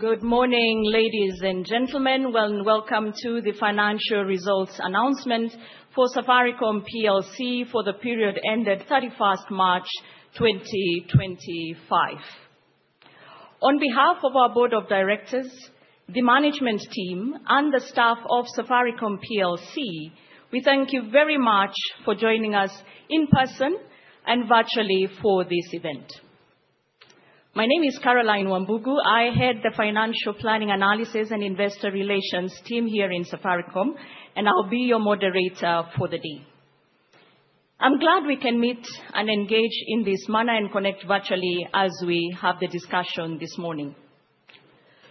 Good morning, ladies and gentlemen. Welcome to the Financial Results Announcement for Safaricom PLC for the Period Ended 31 March 2025. On behalf of our Board of Directors, the Management Team, and the staff of Safaricom PLC, we thank you very much for joining us in person and virtually for this event. My name is Caroline Wambugu. I head the Financial Planning, Analysis, and Investor Relations team here in Safaricom, and I'll be your moderator for the day. I'm glad we can meet and engage in this manner and connect virtually as we have the discussion this morning.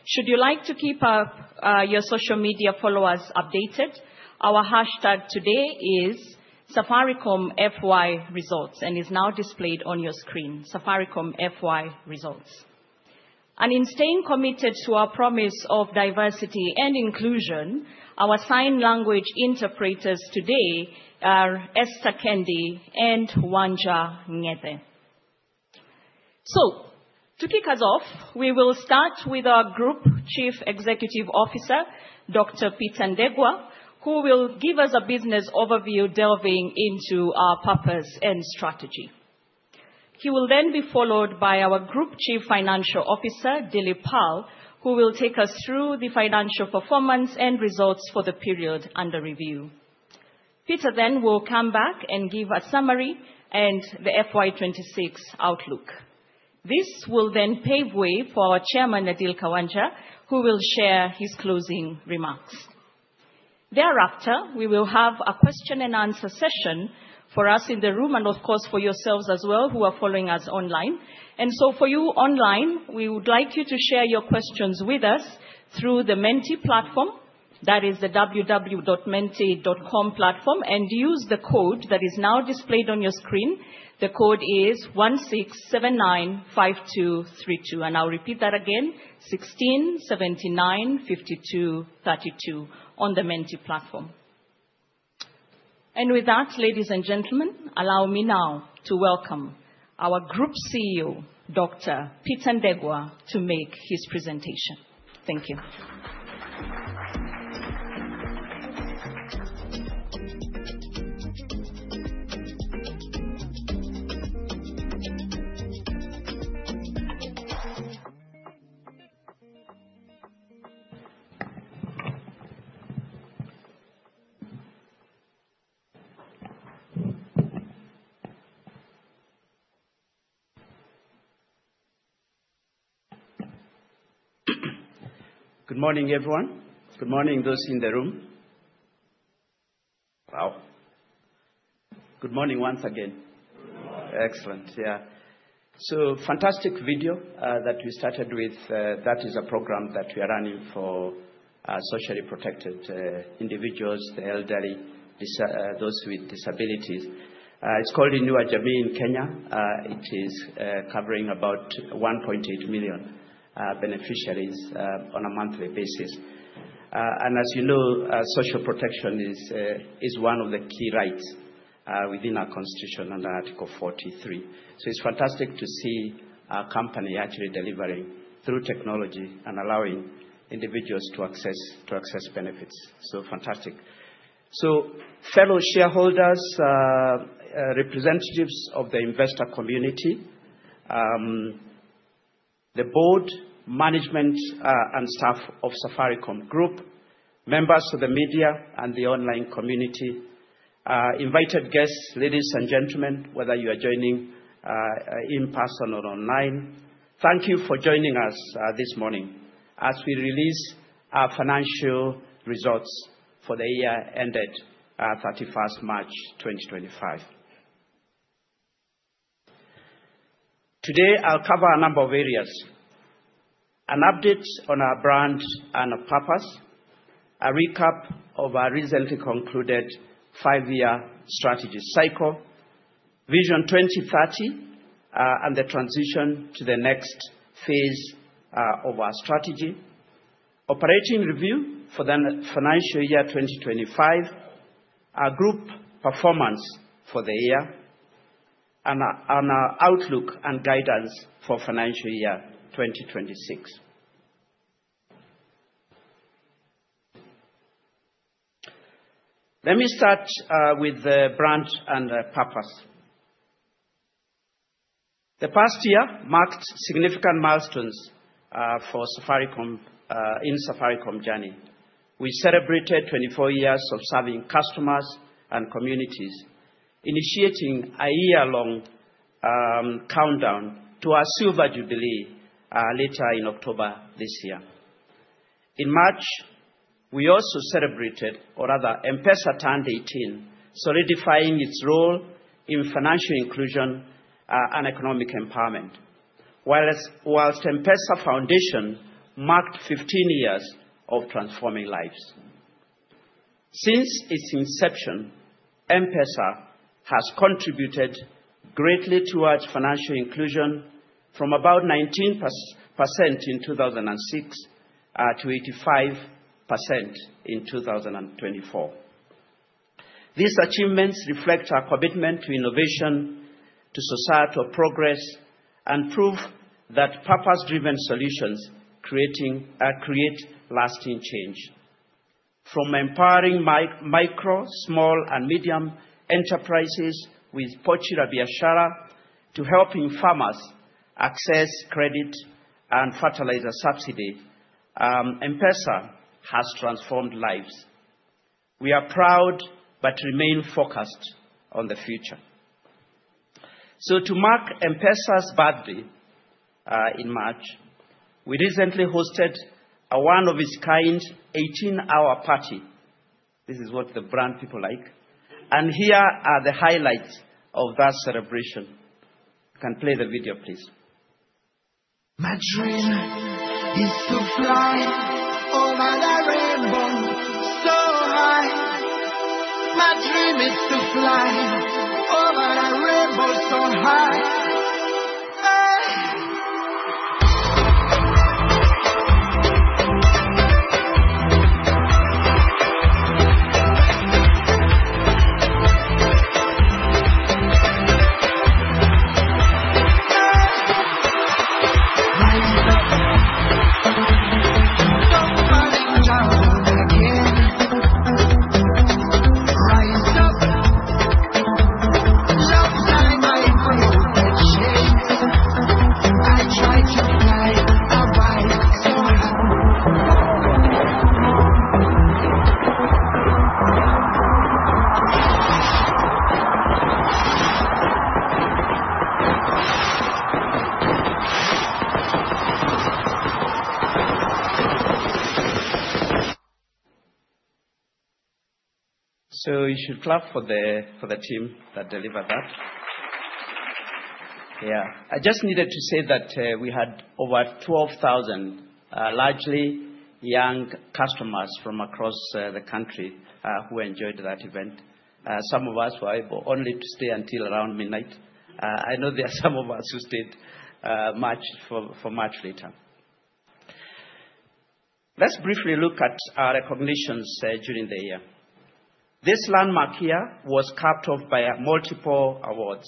Should you like to keep your social media followers updated, our hashtag today is #SafaricomFYResults and is now displayed on your screen: #SafaricomFYResults. In staying committed to our promise of diversity and inclusion, our sign language interpreters today are Esther Kendi and Wanja Ndegwa. To kick us off, we will start with our Group Chief Executive Officer, Dr. Peter Ndegwa, who will give us a business overview delving into our purpose and strategy. He will then be followed by our Group Chief Financial Officer, Dilip Pal, who will take us through the financial performance and results for the period under review. Peter then will come back and give a summary and the FY 2026 outlook. This will then pave way for our Chairman, Adil Khawaja, who will share his closing remarks. Thereafter, we will have a question-and-answer session for us in the room and, of course, for yourselves as well who are following us online. For you online, we would like you to share your questions with us through the Menti platform, that is the www.menti.com platform, and use the code that is now displayed on your screen. The code is 16795232. I'll repeat that again: 16795232 on the Menti platform. With that, ladies and gentlemen, allow me now to welcome our Group CEO, Dr. Peter Ndegwa, to make his presentation. Thank you. Good morning, everyone. Good morning, those in the room. Wow. Good morning once again. Excellent. Yeah. So, fantastic video that we started with. That is a program that we are running for socially protected individuals, the elderly, those with disabilities. It's called Inua Jamii in Kenya. It is covering about 1.8 million beneficiaries on a monthly basis. And as you know, social protection is one of the key rights within our constitution under Article 43. So, it's fantastic to see our company actually delivering through technology and allowing individuals to access benefits. So, fantastic. So, fellow shareholders, representatives of the investor community, the board, management, and staff of Safaricom Group, members of the media and the online community, invited guests, ladies and gentlemen, whether you are joining in person or online, thank you for joining us this morning as we release our financial results for the year ended 31 March 2025. Today, I'll cover a number of areas: an update on our brand and our purpose, a recap of our recently concluded five-year strategy cycle, Vision 2030, and the transition to the next phase of our strategy, operating review for the financial year 2025, our group performance for the year, and our outlook and guidance for financial year 2026. Let me start with the brand and purpose. The past year marked significant milestones for Safaricom in Safaricom journey. We celebrated 24 years of serving customers and communities, initiating a year-long countdown to our silver jubilee later in October this year. In March, we also celebrated, or rather, M-PESA turned 18, solidifying its role in financial inclusion and economic empowerment, whilst M-PESA Foundation marked 15 years of transforming lives. Since its inception, M-PESA has contributed greatly towards financial inclusion, from about 19% in 2006 to 85% in 2024. These achievements reflect our commitment to innovation, to societal progress, and prove that purpose-driven solutions create lasting change. From empowering micro, small, and medium enterprises with Pochi la Biashara to helping farmers access credit and fertilizer subsidy, M-PESA has transformed lives. We are proud, but remain focused on the future. To mark M-PESA's birthday in March, we recently hosted a one-of-its-kind 18-hour party. This is what the brand people like. Here are the highlights of that celebration. You can play the video, please. My dream is to fly over the rainbow so high. Rise up, don't fall in trouble again. Rise up, love's like my greatest shame. I try to fly, I'll fly so high. You should clap for the team that delivered that. Yeah. I just needed to say that we had over 12,000 largely young customers from across the country who enjoyed that event. Some of us were able only to stay until around midnight. I know there are some of us who stayed for much later. Let's briefly look at our recognitions during the year. This landmark year was capped off by multiple awards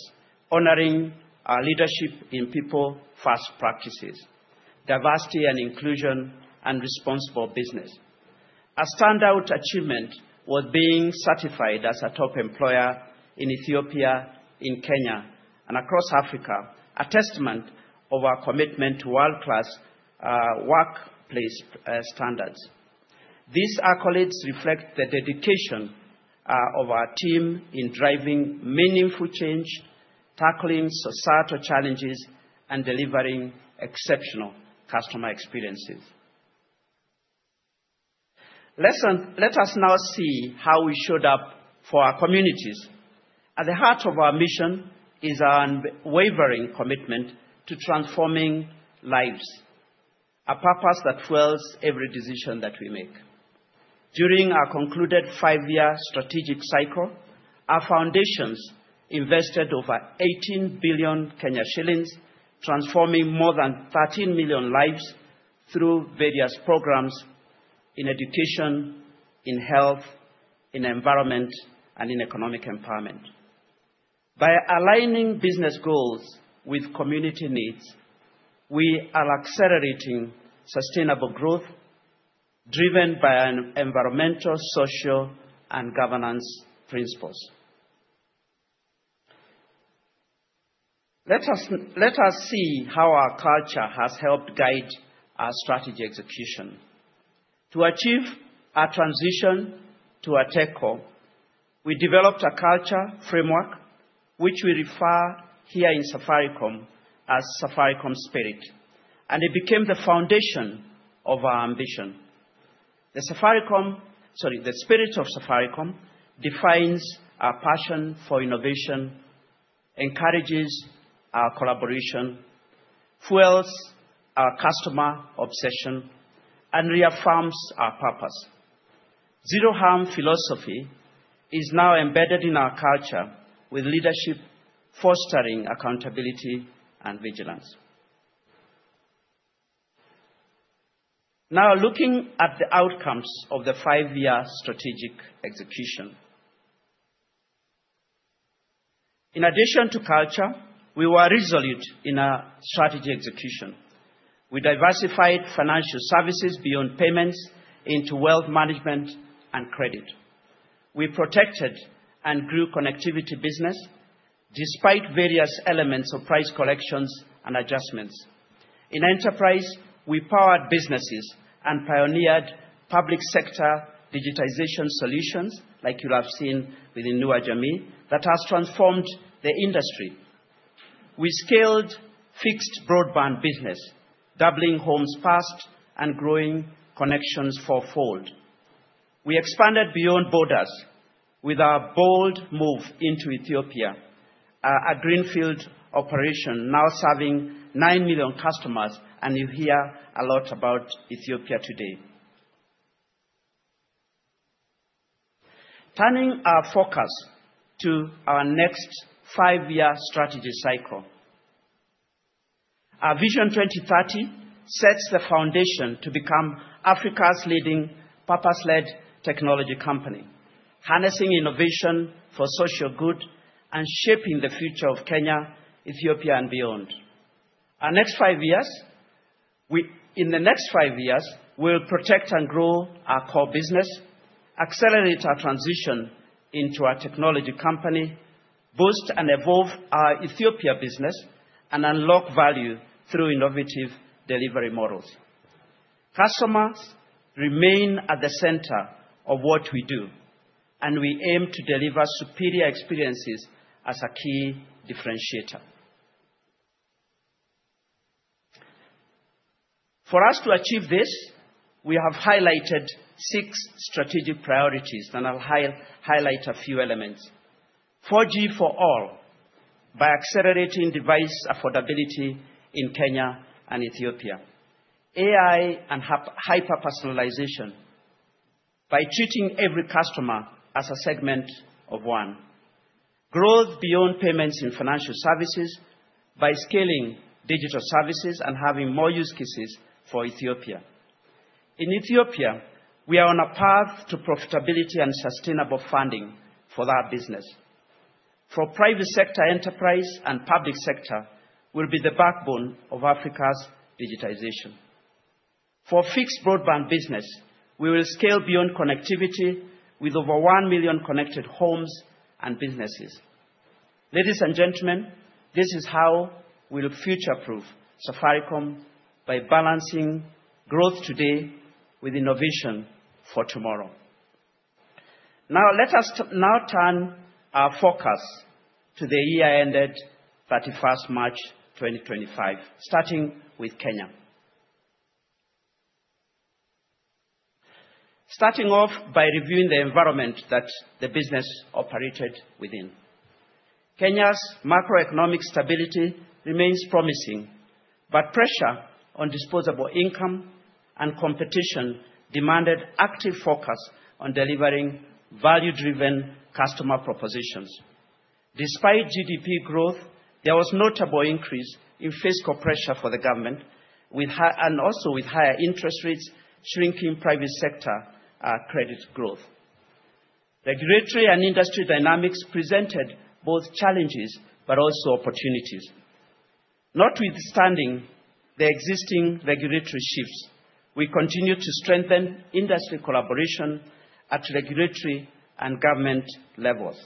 honoring our leadership in people-first practices, diversity and inclusion, and responsible business. Our standout achievement was being certified as a top employer in Ethiopia, in Kenya, and across Africa, a testament of our commitment to world-class workplace standards. These accolades reflect the dedication of our team in driving meaningful change, tackling societal challenges, and delivering exceptional customer experiences. Let us now see how we showed up for our communities. At the heart of our mission is our unwavering commitment to transforming lives, a purpose that dwells in every decision that we make. During our concluded five-year strategic cycle, our foundations invested over 18 billion shillings, transforming more than 13 million lives through various programs in education, in health, in environment, and in economic empowerment. By aligning business goals with community needs, we are accelerating sustainable growth driven by environmental, social, and governance principles. Let us see how our culture has helped guide our strategy execution. To achieve our transition to Ateco, we developed a culture framework, which we refer to here in Safaricom as Safaricom Spirit, and it became the foundation of our ambition. The spirit of Safaricom defines our passion for innovation, encourages our collaboration, fuels our customer obsession, and reaffirms our purpose. Zero harm philosophy is now embedded in our culture with leadership fostering accountability and vigilance. Now, looking at the outcomes of the five-year strategic execution. In addition to culture, we were resolute in our strategy execution. We diversified financial services beyond payments into wealth management and credit. We protected and grew connectivity business despite various elements of price collections and adjustments. In enterprise, we powered businesses and pioneered public sector digitization solutions, like you have seen with Inua Jamii, that has transformed the industry. We scaled fixed broadband business, doubling homes' past and growing connections fourfold. We expanded beyond borders with our bold move into Ethiopia, a greenfield operation now serving 9 million customers, and you hear a lot about Ethiopia today. Turning our focus to our next five-year strategy cycle, our Vision 2030 sets the foundation to become Africa's leading purpose-led technology company, harnessing innovation for social good and shaping the future of Kenya, Ethiopia, and beyond. Our next five years—in the next five years, we will protect and grow our core business, accelerate our transition into our technology company, boost and evolve our Ethiopia business, and unlock value through innovative delivery models. Customers remain at the center of what we do, and we aim to deliver superior experiences as a key differentiator. For us to achieve this, we have highlighted six strategic priorities that I'll highlight a few elements. 4G for all by accelerating device affordability in Kenya and Ethiopia. AI and hyper-personalization by treating every customer as a segment of one. Growth beyond payments in financial services by scaling digital services and having more use cases for Ethiopia. In Ethiopia, we are on a path to profitability and sustainable funding for that business. For private sector enterprise and public sector will be the backbone of Africa's digitization. For fixed broadband business, we will scale beyond connectivity with over 1 million connected homes and businesses. Ladies and gentlemen, this is how we will future-proof Safaricom by balancing growth today with innovation for tomorrow. Now, let us now turn our focus to the year ended 31 March 2025, starting with Kenya. Starting off by reviewing the environment that the business operated within. Kenya's macroeconomic stability remains promising, but pressure on disposable income and competition demanded active focus on delivering value-driven customer propositions. Despite GDP growth, there was notable increase in fiscal pressure for the government, and also with higher interest rates shrinking private sector credit growth. Regulatory and industry dynamics presented both challenges but also opportunities. Notwithstanding the existing regulatory shifts, we continue to strengthen industry collaboration at regulatory and government levels.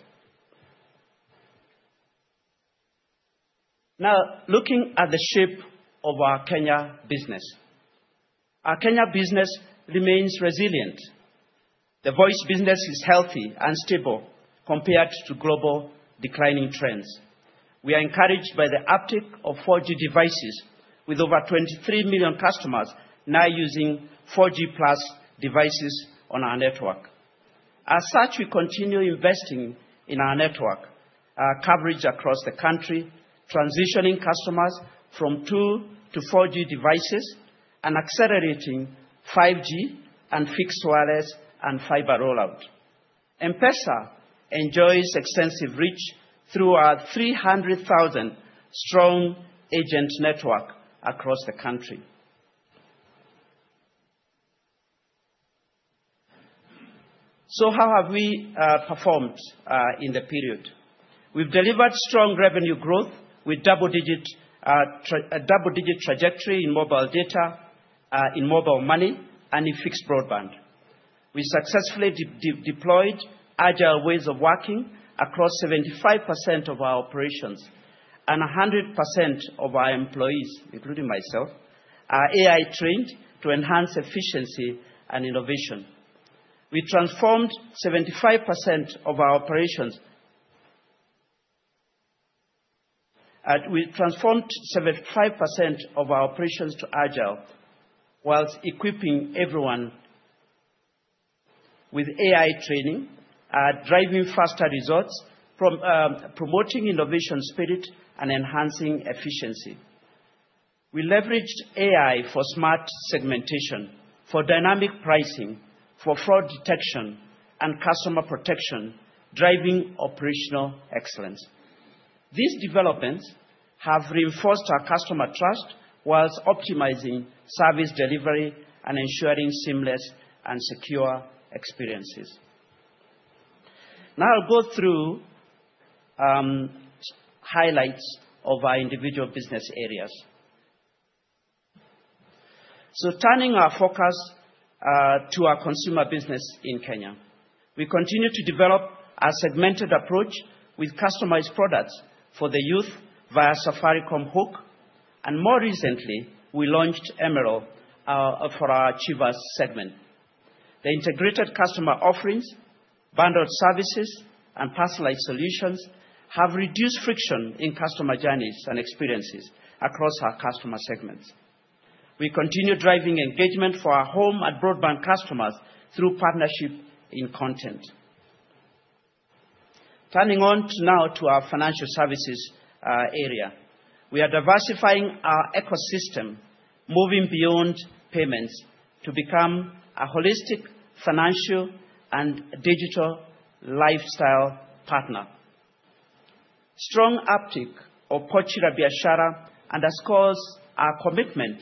Now, looking at the shape of our Kenya business, our Kenya business remains resilient. The voice business is healthy and stable compared to global declining trends. We are encouraged by the uptick of 4G devices with over 23 million customers now using 4G+ devices on our network. As such, we continue investing in our network, our coverage across the country, transitioning customers from 2 to 4G devices, and accelerating 5G and fixed wireless and fiber rollout. M-PESA enjoys extensive reach through our 300,000 strong agent network across the country. How have we performed in the period? We've delivered strong revenue growth with double-digit trajectory in mobile data, in mobile money, and in fixed broadband. We successfully deployed agile ways of working across 75% of our operations, and 100% of our employees, including myself, are AI-trained to enhance efficiency and innovation. We transformed 75% of our operations to agile, whilst equipping everyone with AI training, driving faster results, promoting innovation spirit, and enhancing efficiency. We leveraged AI for smart segmentation, for dynamic pricing, for fraud detection, and customer protection, driving operational excellence. These developments have reinforced our customer trust whilst optimizing service delivery and ensuring seamless and secure experiences. Now, I'll go through highlights of our individual business areas. Turning our focus to our consumer business in Kenya, we continue to develop our segmented approach with customized products for the youth via Safaricom Hook, and more recently, we launched Emerald for our achievers segment. The integrated customer offerings, bundled services, and personalized solutions have reduced friction in customer journeys and experiences across our customer segments. We continue driving engagement for our home and broadband customers through partnership in content. Turning now to our financial services area, we are diversifying our ecosystem, moving beyond payments to become a holistic financial and digital lifestyle partner. Strong uptick of Pochi la Biashara underscores our commitment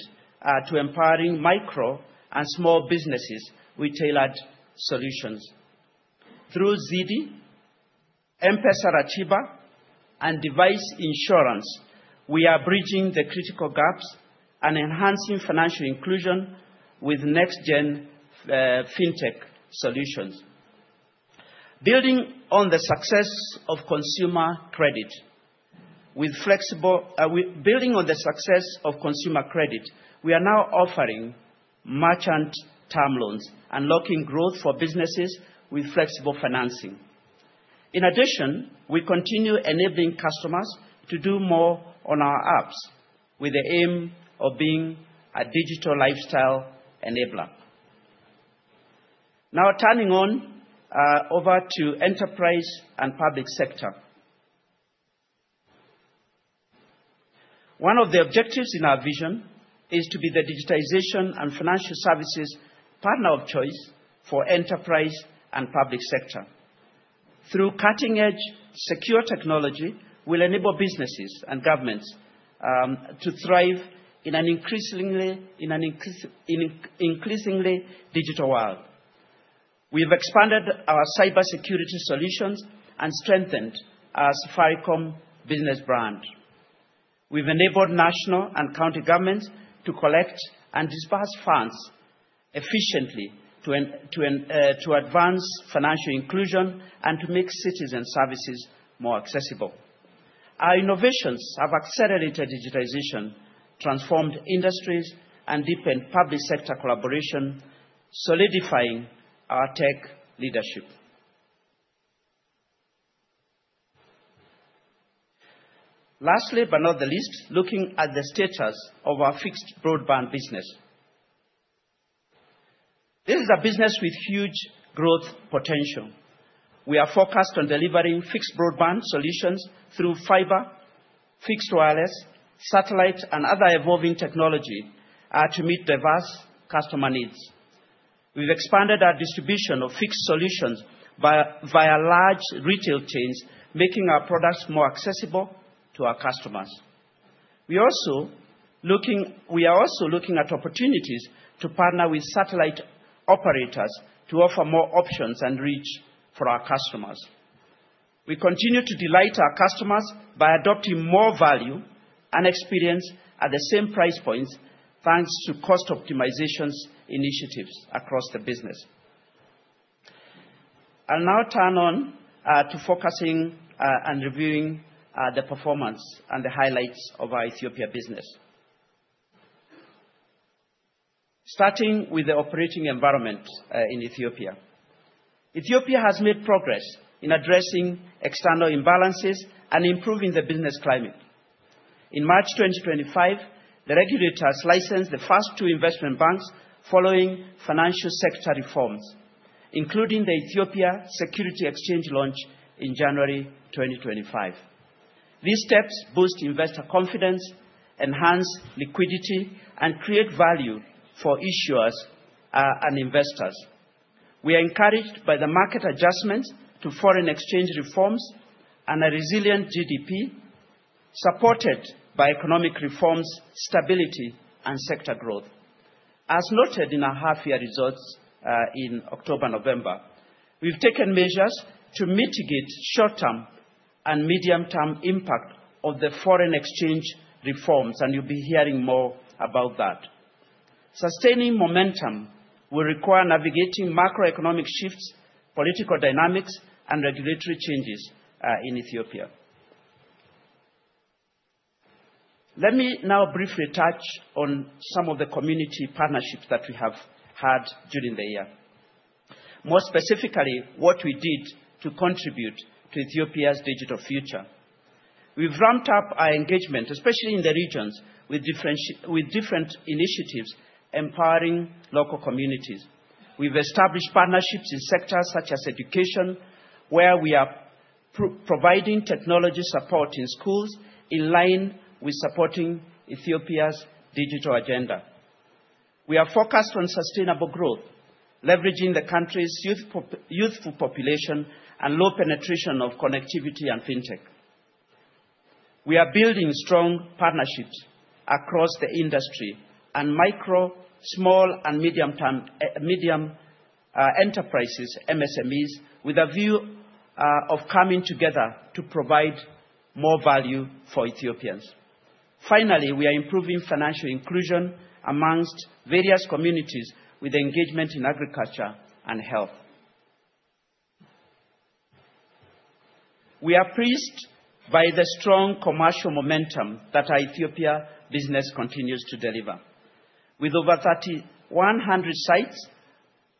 to empowering micro and small businesses with tailored solutions. Through Ziidi, M-PESA, Ratiba, and device insurance, we are bridging the critical gaps and enhancing financial inclusion with next-gen fintech solutions. Building on the success of consumer credit, we are now offering merchant term loans and unlocking growth for businesses with flexible financing. In addition, we continue enabling customers to do more on our apps with the aim of being a digital lifestyle enabler. Now, turning on over to enterprise and public sector. One of the objectives in our vision is to be the digitization and financial services partner of choice for enterprise and public sector. Through cutting-edge secure technology, we'll enable businesses and governments to thrive in an increasingly digital world. We've expanded our cybersecurity solutions and strengthened our Safaricom business brand. We've enabled national and county governments to collect and disburse funds efficiently to advance financial inclusion and to make citizen services more accessible. Our innovations have accelerated digitization, transformed industries, and deepened public sector collaboration, solidifying our tech leadership. Lastly, but not the least, looking at the status of our fixed broadband business. This is a business with huge growth potential. We are focused on delivering fixed broadband solutions through fiber, fixed wireless, satellite, and other evolving technology to meet diverse customer needs. We've expanded our distribution of fixed solutions via large retail chains, making our products more accessible to our customers. We are also looking at opportunities to partner with satellite operators to offer more options and reach for our customers. We continue to delight our customers by adopting more value and experience at the same price points, thanks to cost optimization initiatives across the business. I'll now turn on to focusing and reviewing the performance and the highlights of our Ethiopia business. Starting with the operating environment in Ethiopia. Ethiopia has made progress in addressing external imbalances and improving the business climate. In March 2025, the regulators licensed the first two investment banks following financial sector reforms, including the Ethiopia Security Exchange launch in January 2025. These steps boost investor confidence, enhance liquidity, and create value for issuers and investors. We are encouraged by the market adjustment to foreign exchange reforms and a resilient GDP, supported by economic reforms, stability, and sector growth. As noted in our half-year results in October and November, we've taken measures to mitigate short-term and medium-term impact of the foreign exchange reforms, and you'll be hearing more about that. Sustaining momentum will require navigating macroeconomic shifts, political dynamics, and regulatory changes in Ethiopia. Let me now briefly touch on some of the community partnerships that we have had during the year. More specifically, what we did to contribute to Ethiopia's digital future. We've ramped up our engagement, especially in the regions, with different initiatives empowering local communities. We've established partnerships in sectors such as education, where we are providing technology support in schools in line with supporting Ethiopia's digital agenda. We are focused on sustainable growth, leveraging the country's youthful population and low penetration of connectivity and fintech. We are building strong partnerships across the industry and micro, small, and medium-term enterprises, MSMEs, with a view of coming together to provide more value for Ethiopians. Finally, we are improving financial inclusion amongst various communities with engagement in agriculture and health. We are pleased by the strong commercial momentum that our Ethiopia business continues to deliver. With over 100 sites,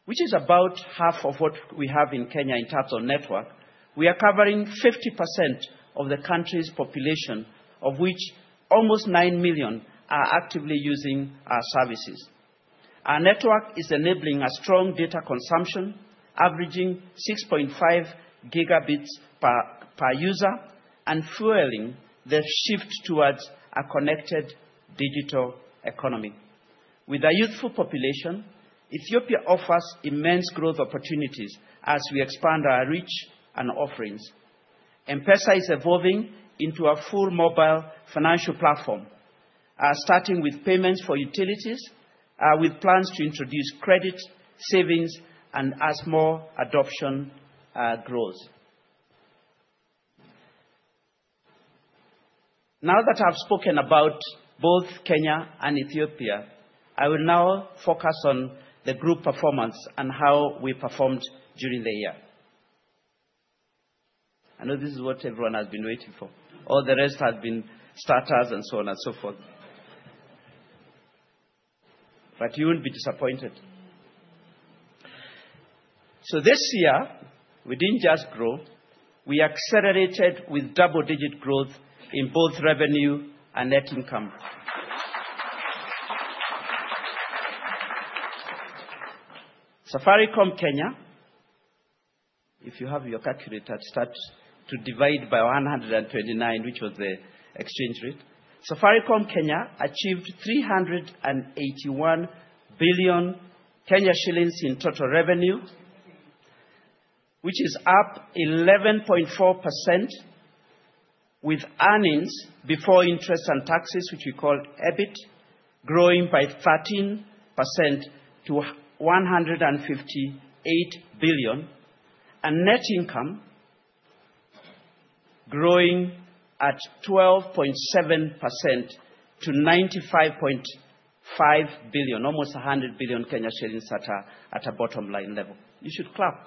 which is about half of what we have in Kenya in total network, we are covering 50% of the country's population, of which almost 9 million are actively using our services. Our network is enabling a strong data consumption, averaging 6.5 Gb per user, and fueling the shift towards a connected digital economy. With a youthful population, Ethiopia offers immense growth opportunities as we expand our reach and offerings. M-PESA is evolving into a full mobile financial platform, starting with payments for utilities, with plans to introduce credit, savings, and as more adoption grows. Now that I've spoken about both Kenya and Ethiopia, I will now focus on the group performance and how we performed during the year. I know this is what everyone has been waiting for. All the rest have been starters and so on and so forth. You won't be disappointed. This year, we didn't just grow. We accelerated with double-digit growth in both revenue and net income. Safaricom Kenya, if you have your calculator, starts to divide by 129, which was the exchange rate. Safaricom Kenya achieved 381 billion shillings in total revenue, which is up 11.4%, with earnings before interest and taxes, which we call EBIT, growing by 13% to 158 billion, and net income growing at 12.7% to 95.5 billion, almost 100 billion shillings at a bottom-line level. You should clap.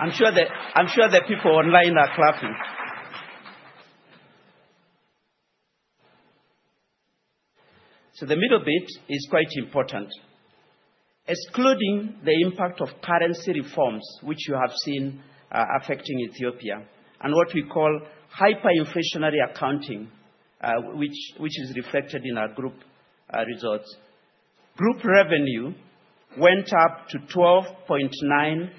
I'm sure the people online are clapping. The middle bit is quite important. Excluding the impact of currency reforms, which you have seen affecting Ethiopia, and what we call hyperinflationary accounting, which is reflected in our group results. Group revenue went up to 12.9%,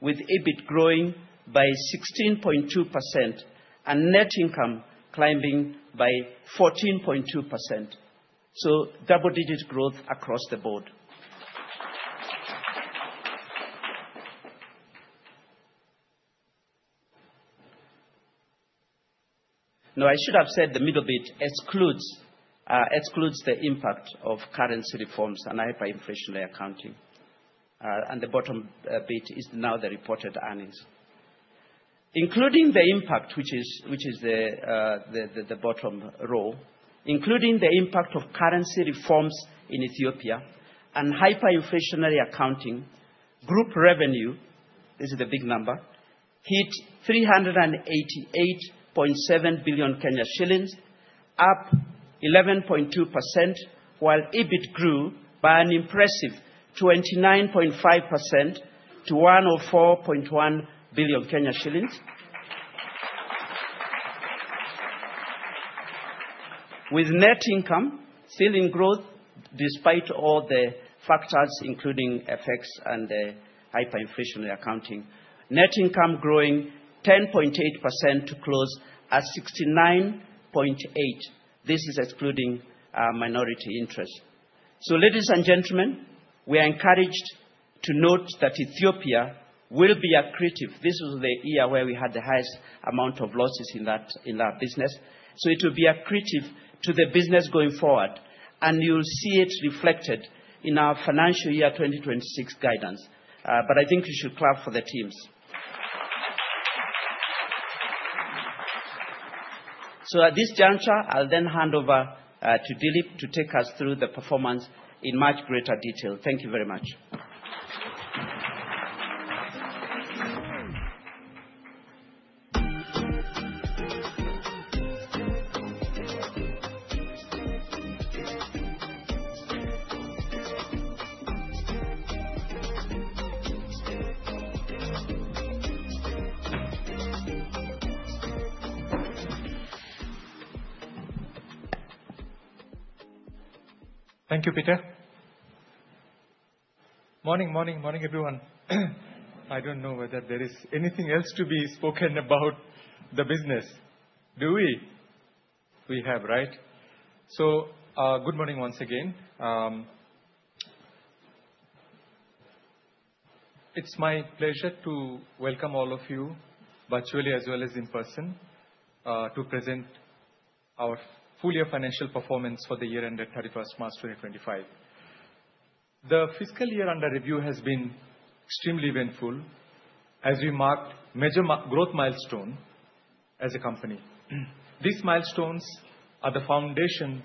with EBIT growing by 16.2% and net income climbing by 14.2%. Double-digit growth across the board. I should have said the middle bit excludes the impact of currency reforms and hyperinflationary accounting. The bottom bit is now the reported earnings. Including the impact, which is the bottom row, including the impact of currency reforms in Ethiopia and hyperinflationary accounting, group revenue, this is the big number, hit 388.7 billion shillings, up 11.2%, while EBIT grew by an impressive 29.5% to KES 104.1 billion. With net income still in growth despite all the factors, including effects and the hyperinflationary accounting, net income growing 10.8% to close at 69.8 billion. This is excluding minority interest. So, ladies and gentlemen, we are encouraged to note that Ethiopia will be accretive. This was the year where we had the highest amount of losses in our business. So it will be accretive to the business going forward, and you'll see it reflected in our financial year 2026 guidance. But I think you should clap for the teams. At this juncture, I'll then hand over to Dilip to take us through the performance in much greater detail. Thank you very much. Thank you, Peter. Morning, morning, everyone. I don't know whether there is anything else to be spoken about the business. Do we? We have, right? Good morning once again. It's my pleasure to welcome all of you, virtually as well as in person, to present our full-year financial performance for the year ended 31st March 2025. The fiscal year under review has been extremely eventful as we marked major growth milestones as a company. These milestones are the foundation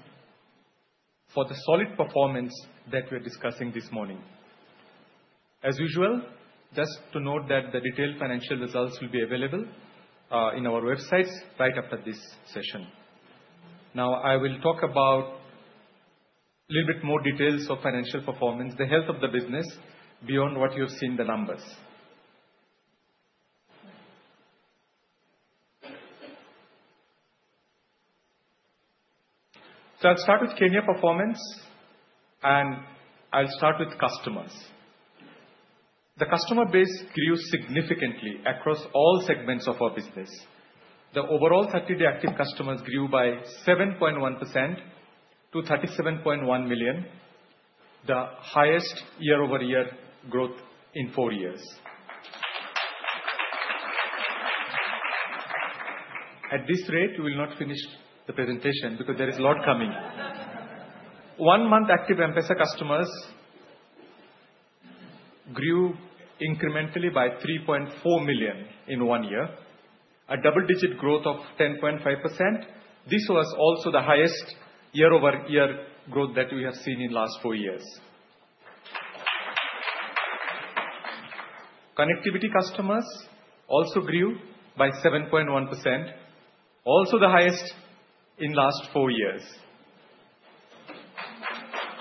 for the solid performance that we are discussing this morning. As usual, just to note that the detailed financial results will be available on our website right after this session. Now, I will talk about a little bit more details of financial performance, the health of the business beyond what you've seen in the numbers. I will start with Kenya performance, and I will start with customers. The customer base grew significantly across all segments of our business. The overall 30-day active customers grew by 7.1% to 37.1 million, the highest year-over-year growth in four years. At this rate, we will not finish the presentation because there is a lot coming. One-month active M-PESA customers grew incrementally by 3.4 million in one year, a double-digit growth of 10.5%. This was also the highest year-over-year growth that we have seen in the last four years. Connectivity customers also grew by 7.1%, also the highest in the last four years.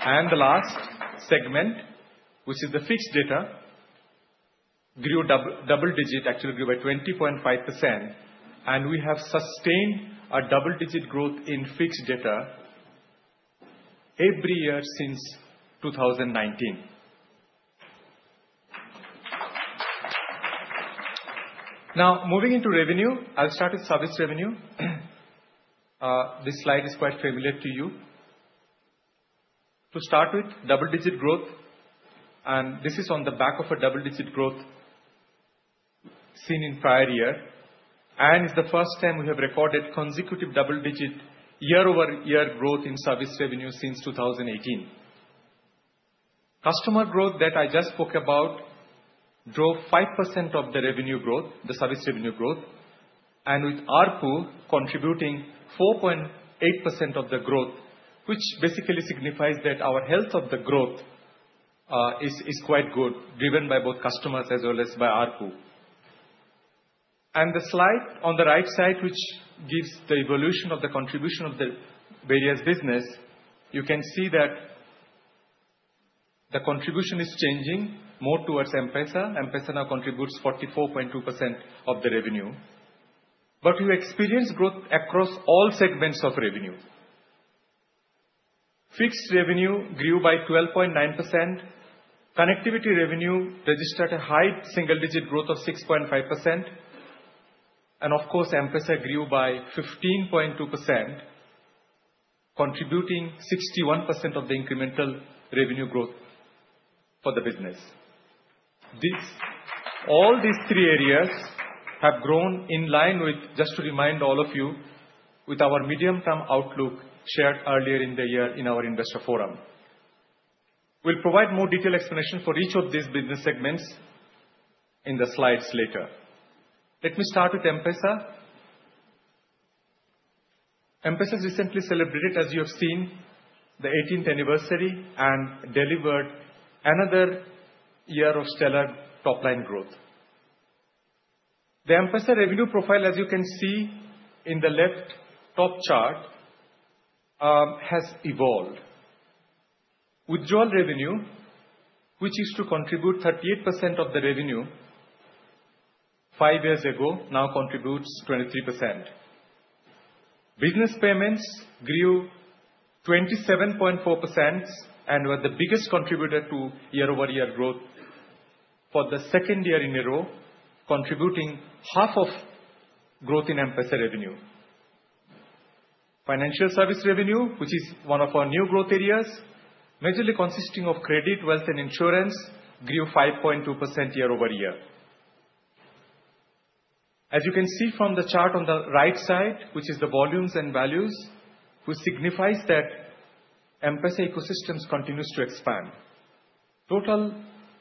The last segment, which is the fixed data, grew double-digit, actually grew by 20.5%, and we have sustained a double-digit growth in fixed data every year since 2019. Now, moving into revenue, I'll start with service revenue. This slide is quite familiar to you. To start with, double-digit growth, and this is on the back of a double-digit growth seen in the prior year, and it's the first time we have recorded consecutive double-digit year-over-year growth in service revenue since 2018. Customer growth that I just spoke about drove 5% of the revenue growth, the service revenue growth, and with ARPU contributing 4.8% of the growth, which basically signifies that our health of the growth is quite good, driven by both customers as well as by ARPU. The slide on the right side, which gives the evolution of the contribution of the various businesses, you can see that the contribution is changing more towards M-PESA. M-PESA now contributes 44.2% of the revenue. We experience growth across all segments of revenue. Fixed revenue grew by 12.9%. Connectivity revenue registered a high single-digit growth of 6.5%. M-PESA grew by 15.2%, contributing 61% of the incremental revenue growth for the business. All these three areas have grown in line with, just to remind all of you, our medium-term outlook shared earlier in the year in our investor forum. We will provide more detailed explanation for each of these business segments in the slides later. Let me start with M-PESA. M-PESA has recently celebrated, as you have seen, the 18th anniversary and delivered another year of stellar top-line growth. The M-PESA revenue profile, as you can see in the left top chart, has evolved. Withdrawal revenue, which used to contribute 38% of the revenue five years ago, now contributes 23%. Business payments grew 27.4% and were the biggest contributor to year-over-year growth for the second year in a row, contributing half of growth in M-PESA revenue. Financial service revenue, which is one of our new growth areas, majorly consisting of credit, wealth, and insurance, grew 5.2% year-over-year. As you can see from the chart on the right side, which is the volumes and values, which signifies that M-PESA ecosystems continues to expand. Total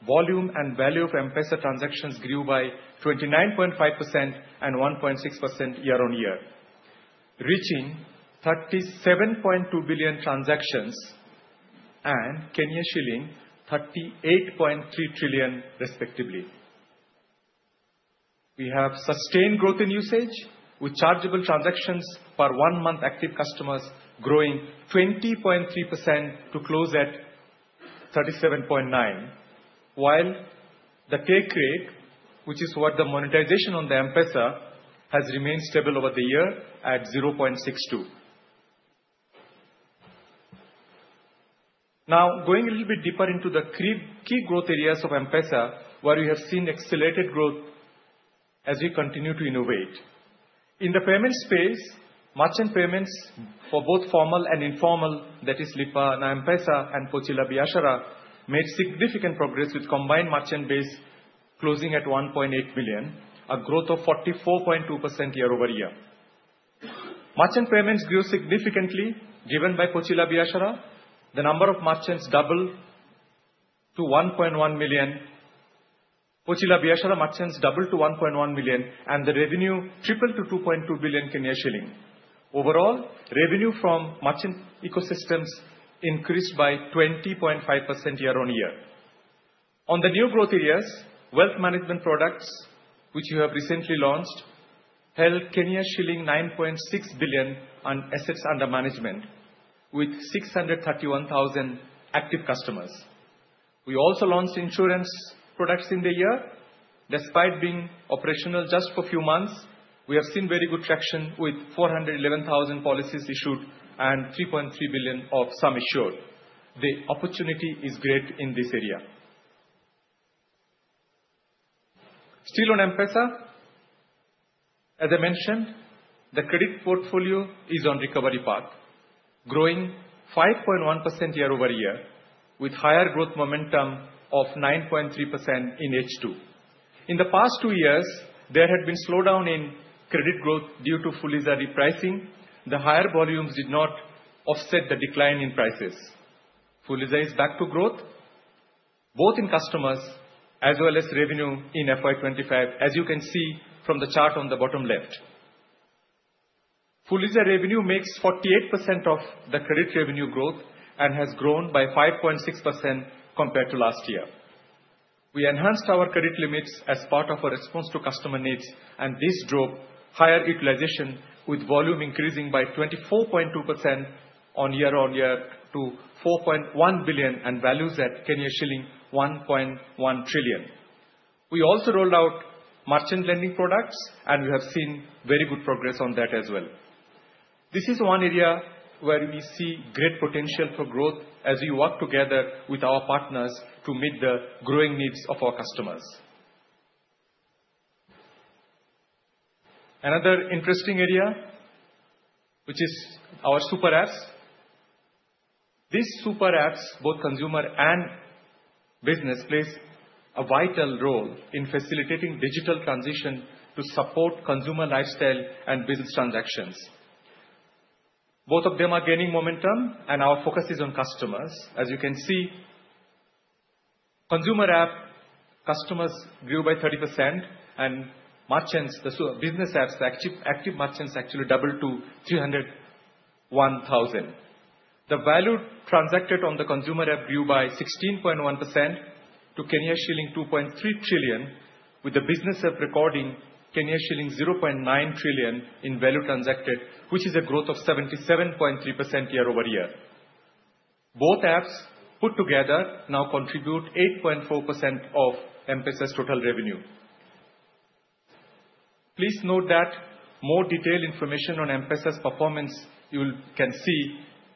volume and value of M-PESA transactions grew by 29.5% and 1.6% year-on-year, reaching 37.2 billion transactions and KES 38.3 trillion, respectively. We have sustained growth in usage, with chargeable transactions per one-month active customers growing 20.3% to close at 37.9%, while the pay rate, which is what the monetization on the M-PESA has remained stable over the year at 0.62%. Now, going a little bit deeper into the key growth areas of M-PESA, where we have seen accelerated growth as we continue to innovate. In the payment space, merchant payments for both formal and informal, that is Lipa Na M-PESA and Pochi la Biashara, made significant progress with combined merchant base closing at 1.8 million, a growth of 44.2% year-over-year. Merchant payments grew significantly, driven by Pochi la Biashara. The number of merchants doubled to 1.1 million. Pochi la Biashara merchants doubled to 1.1 million, and the revenue tripled to 2.2 billion shilling. Overall, revenue from merchant ecosystems increased by 20.5% year-on-year. On the new growth areas, wealth management products, which you have recently launched, held shilling 9.6 billion in assets under management, with 631,000 active customers. We also launched insurance products in the year. Despite being operational just for a few months, we have seen very good traction with 411,000 policies issued and 3.3 billion of sum issued. The opportunity is great in this area. Still on M-PESA, as I mentioned, the credit portfolio is on recovery path, growing 5.1% year-over-year, with higher growth momentum of 9.3% in H2. In the past two years, there had been a slowdown in credit growth due to Fuliza repricing. The higher volumes did not offset the decline in prices. Fuliza is back to growth, both in customers as well as revenue in FY 2025, as you can see from the chart on the bottom left. Fuliza revenue makes up 48% of the credit revenue growth and has grown by 5.6% compared to last year. We enhanced our credit limits as part of our response to customer needs, and this drove higher utilization, with volume increasing by 24.2% year-on-year to 4.1 billion and values at shilling 1.1 trillion. We also rolled out merchant lending products, and we have seen very good progress on that as well. This is one area where we see great potential for growth as we work together with our partners to meet the growing needs of our customers. Another interesting area, which is our super apps. These super apps, both consumer and business, play a vital role in facilitating digital transition to support consumer lifestyle and business transactions. Both of them are gaining momentum, and our focus is on customers. As you can see, consumer app customers grew by 30%, and merchants, the business apps, the active merchants actually doubled to 301,000. The value transacted on the consumer app grew by 16.1% to shilling 2.3 trillion, with the business app recording shilling 0.9 trillion in value transacted, which is a growth of 77.3% year-over-year. Both apps put together now contribute 8.4% of M-PESA's total revenue. Please note that more detailed information on M-PESA's performance you can see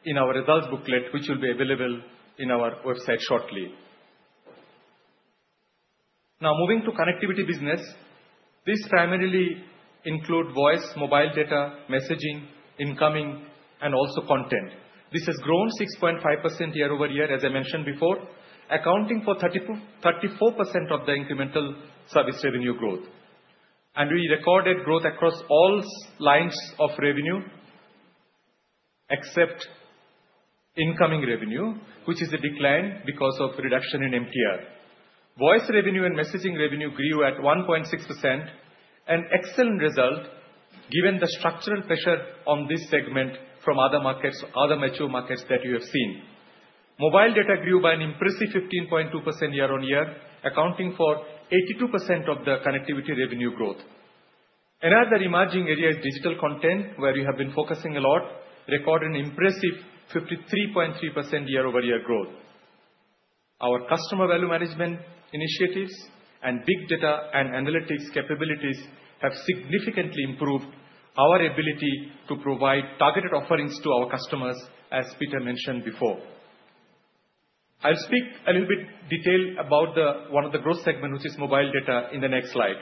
in our results booklet, which will be available on our website shortly. Now, moving to connectivity business, this primarily includes voice, mobile data, messaging, incoming, and also content. This has grown 6.5% year-over-year, as I mentioned before, accounting for 34% of the incremental service revenue growth. We recorded growth across all lines of revenue except incoming revenue, which is a decline because of reduction in MTR. Voice revenue and messaging revenue grew at 1.6%, an excellent result given the structural pressure on this segment from other mature markets that you have seen. Mobile data grew by an impressive 15.2% year-on-year, accounting for 82% of the connectivity revenue growth. Another emerging area is digital content, where we have been focusing a lot, recording an impressive 53.3% year-over-year growth. Our customer value management initiatives and big data and analytics capabilities have significantly improved our ability to provide targeted offerings to our customers, as Peter mentioned before. I'll speak a little bit in detail about one of the growth segments, which is mobile data, in the next slide.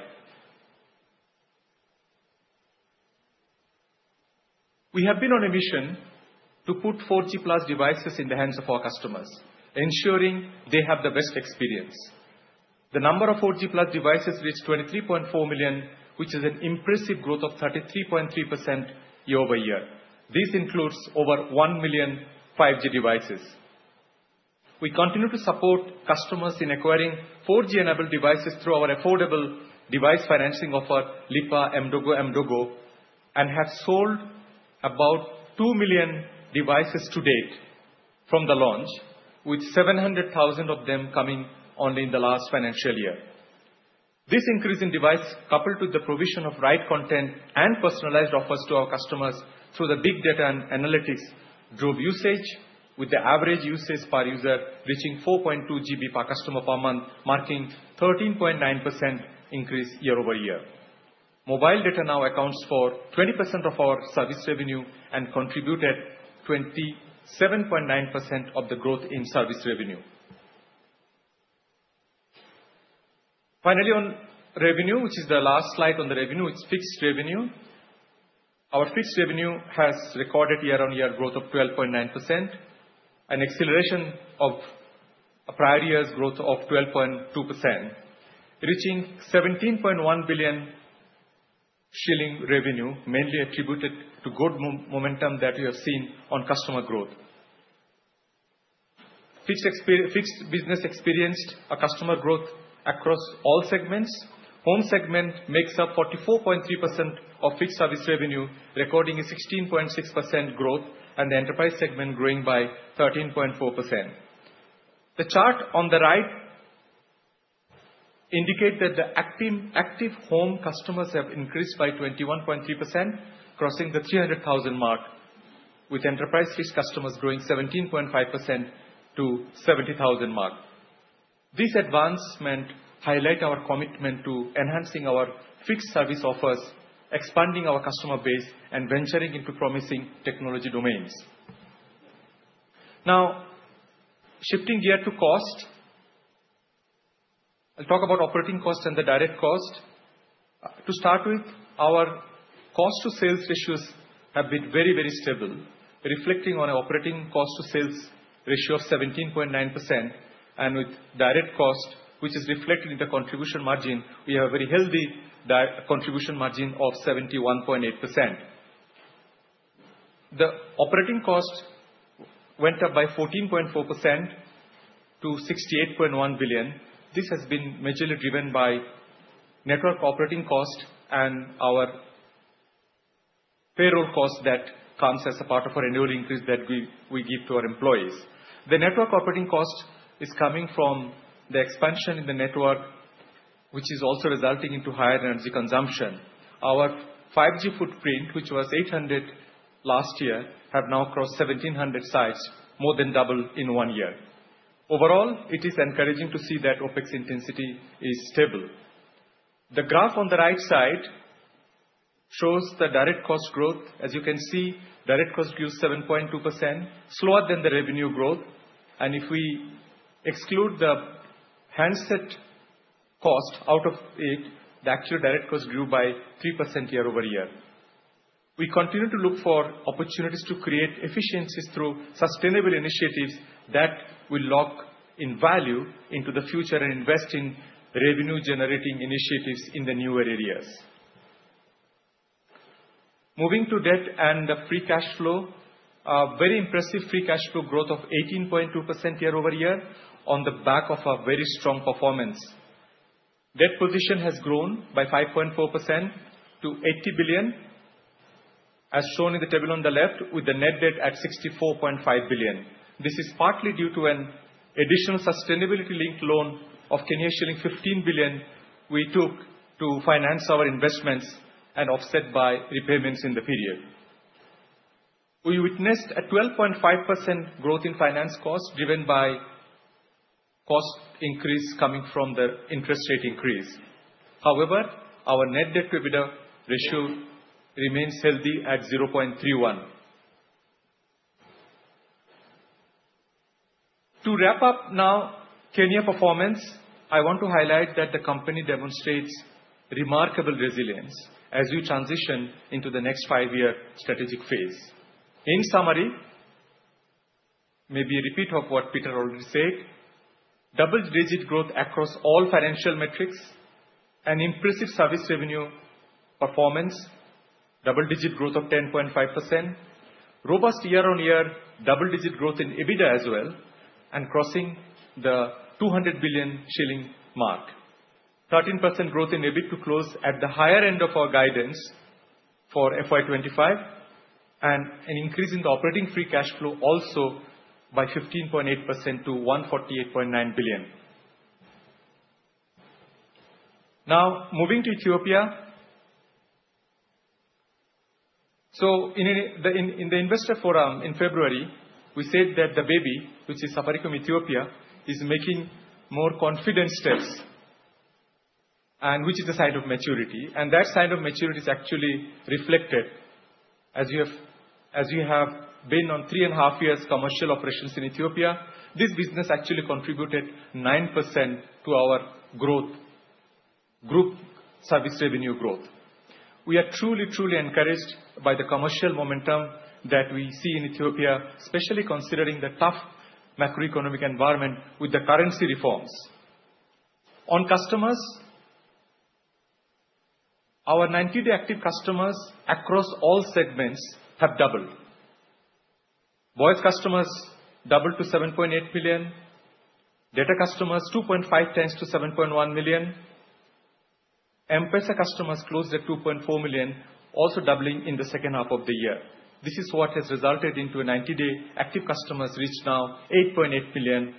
We have been on a mission to put 4G+ devices in the hands of our customers, ensuring they have the best experience. The number of 4G+ devices reached 23.4 million, which is an impressive growth of 33.3% year-over-year. This includes over 1 million 5G devices. We continue to support customers in acquiring 4G-enabled devices through our affordable device financing offer, Lipa Mdogo Mdogo, and have sold about 2 million devices to date from the launch, with 700,000 of them coming only in the last financial year. This increase in device, coupled with the provision of right content and personalized offers to our customers through the big data and analytics, drove usage, with the average usage per user reaching 4.2 GB per customer per month, marking a 13.9% increase year-over-year. Mobile data now accounts for 20% of our service revenue and contributed 27.9% of the growth in service revenue. Finally, on revenue, which is the last slide on the revenue, it's fixed revenue. Our fixed revenue has recorded year-on-year growth of 12.9%, an acceleration of prior year's growth of 12.2%, reaching KES 17.1 billion revenue, mainly attributed to good momentum that we have seen on customer growth. Fixed business experienced customer growth across all segments. Home segment makes up 44.3% of fixed service revenue, recording a 16.6% growth, and the enterprise segment growing by 13.4%. The chart on the right indicates that the active home customers have increased by 21.3%, crossing the 300,000 mark, with enterprise fixed customers growing 17.5% to 70,000 mark. This advancement highlights our commitment to enhancing our fixed service offers, expanding our customer base, and venturing into promising technology domains. Now, shifting gears to cost, I'll talk about operating cost and the direct cost. To start with, our cost-to-sales ratios have been very, very stable, reflecting on an operating cost-to-sales ratio of 17.9%. With direct cost, which is reflected in the contribution margin, we have a very healthy contribution margin of 71.8%. The operating cost went up by 14.4% to 68.1 billion. This has been majorly driven by network operating cost and our payroll cost that comes as a part of our annual increase that we give to our employees. The network operating cost is coming from the expansion in the network, which is also resulting in higher energy consumption. Our 5G footprint, which was 800 last year, has now crossed 1,700 sites, more than doubled in one year. Overall, it is encouraging to see that OpEx intensity is stable. The graph on the right side shows the direct cost growth. As you can see, direct cost grew 7.2%, slower than the revenue growth. If we exclude the handset cost out of it, the actual direct cost grew by 3% year-over-year. We continue to look for opportunities to create efficiencies through sustainable initiatives that will lock in value into the future and invest in revenue-generating initiatives in the newer areas. Moving to debt and the free cash flow, a very impressive free cash flow growth of 18.2% year-over-year on the back of a very strong performance. Debt position has grown by 5.4% to 80 billion, as shown in the table on the left, with the net debt at 64.5 billion. This is partly due to an additional sustainability-linked loan of shilling 15 billion we took to finance our investments and offset by repayments in the period. We witnessed a 12.5% growth in finance cost, driven by cost increase coming from the interest rate increase. However, our net debt-to-EBITDA ratio remains healthy at 0.31x. To wrap up now Kenya performance, I want to highlight that the company demonstrates remarkable resilience as we transition into the next five-year strategic phase. In summary, maybe a repeat of what Peter already said, double-digit growth across all financial metrics, an impressive service revenue performance, double-digit growth of 10.5%, robust year-on-year double-digit growth in EBITDA as well, and crossing the 200 billion shilling mark. 13% growth in EBIT to close at the higher end of our guidance for FY 2025, and an increase in the operating free cash flow also by 15.8% to 148.9 billion. Now, moving to Ethiopia. In the Investor Forum in February, we said that the baby, which is Safaricom Ethiopia, is making more confident steps, which is a sign of maturity. That sign of maturity is actually reflected. As you have been on three and a half years' commercial operations in Ethiopia, this business actually contributed 9% to our growth, group service revenue growth. We are truly, truly encouraged by the commercial momentum that we see in Ethiopia, especially considering the tough macroeconomic environment with the currency reforms. On customers, our 90-day active customers across all segments have doubled. Voice customers doubled to 7.8 million. Data customers 2.5x to 7.1 million. M-PESA customers closed at 2.4 million, also doubling in the second half of the year. This is what has resulted in a 90-day active customers reach now 8.8 million,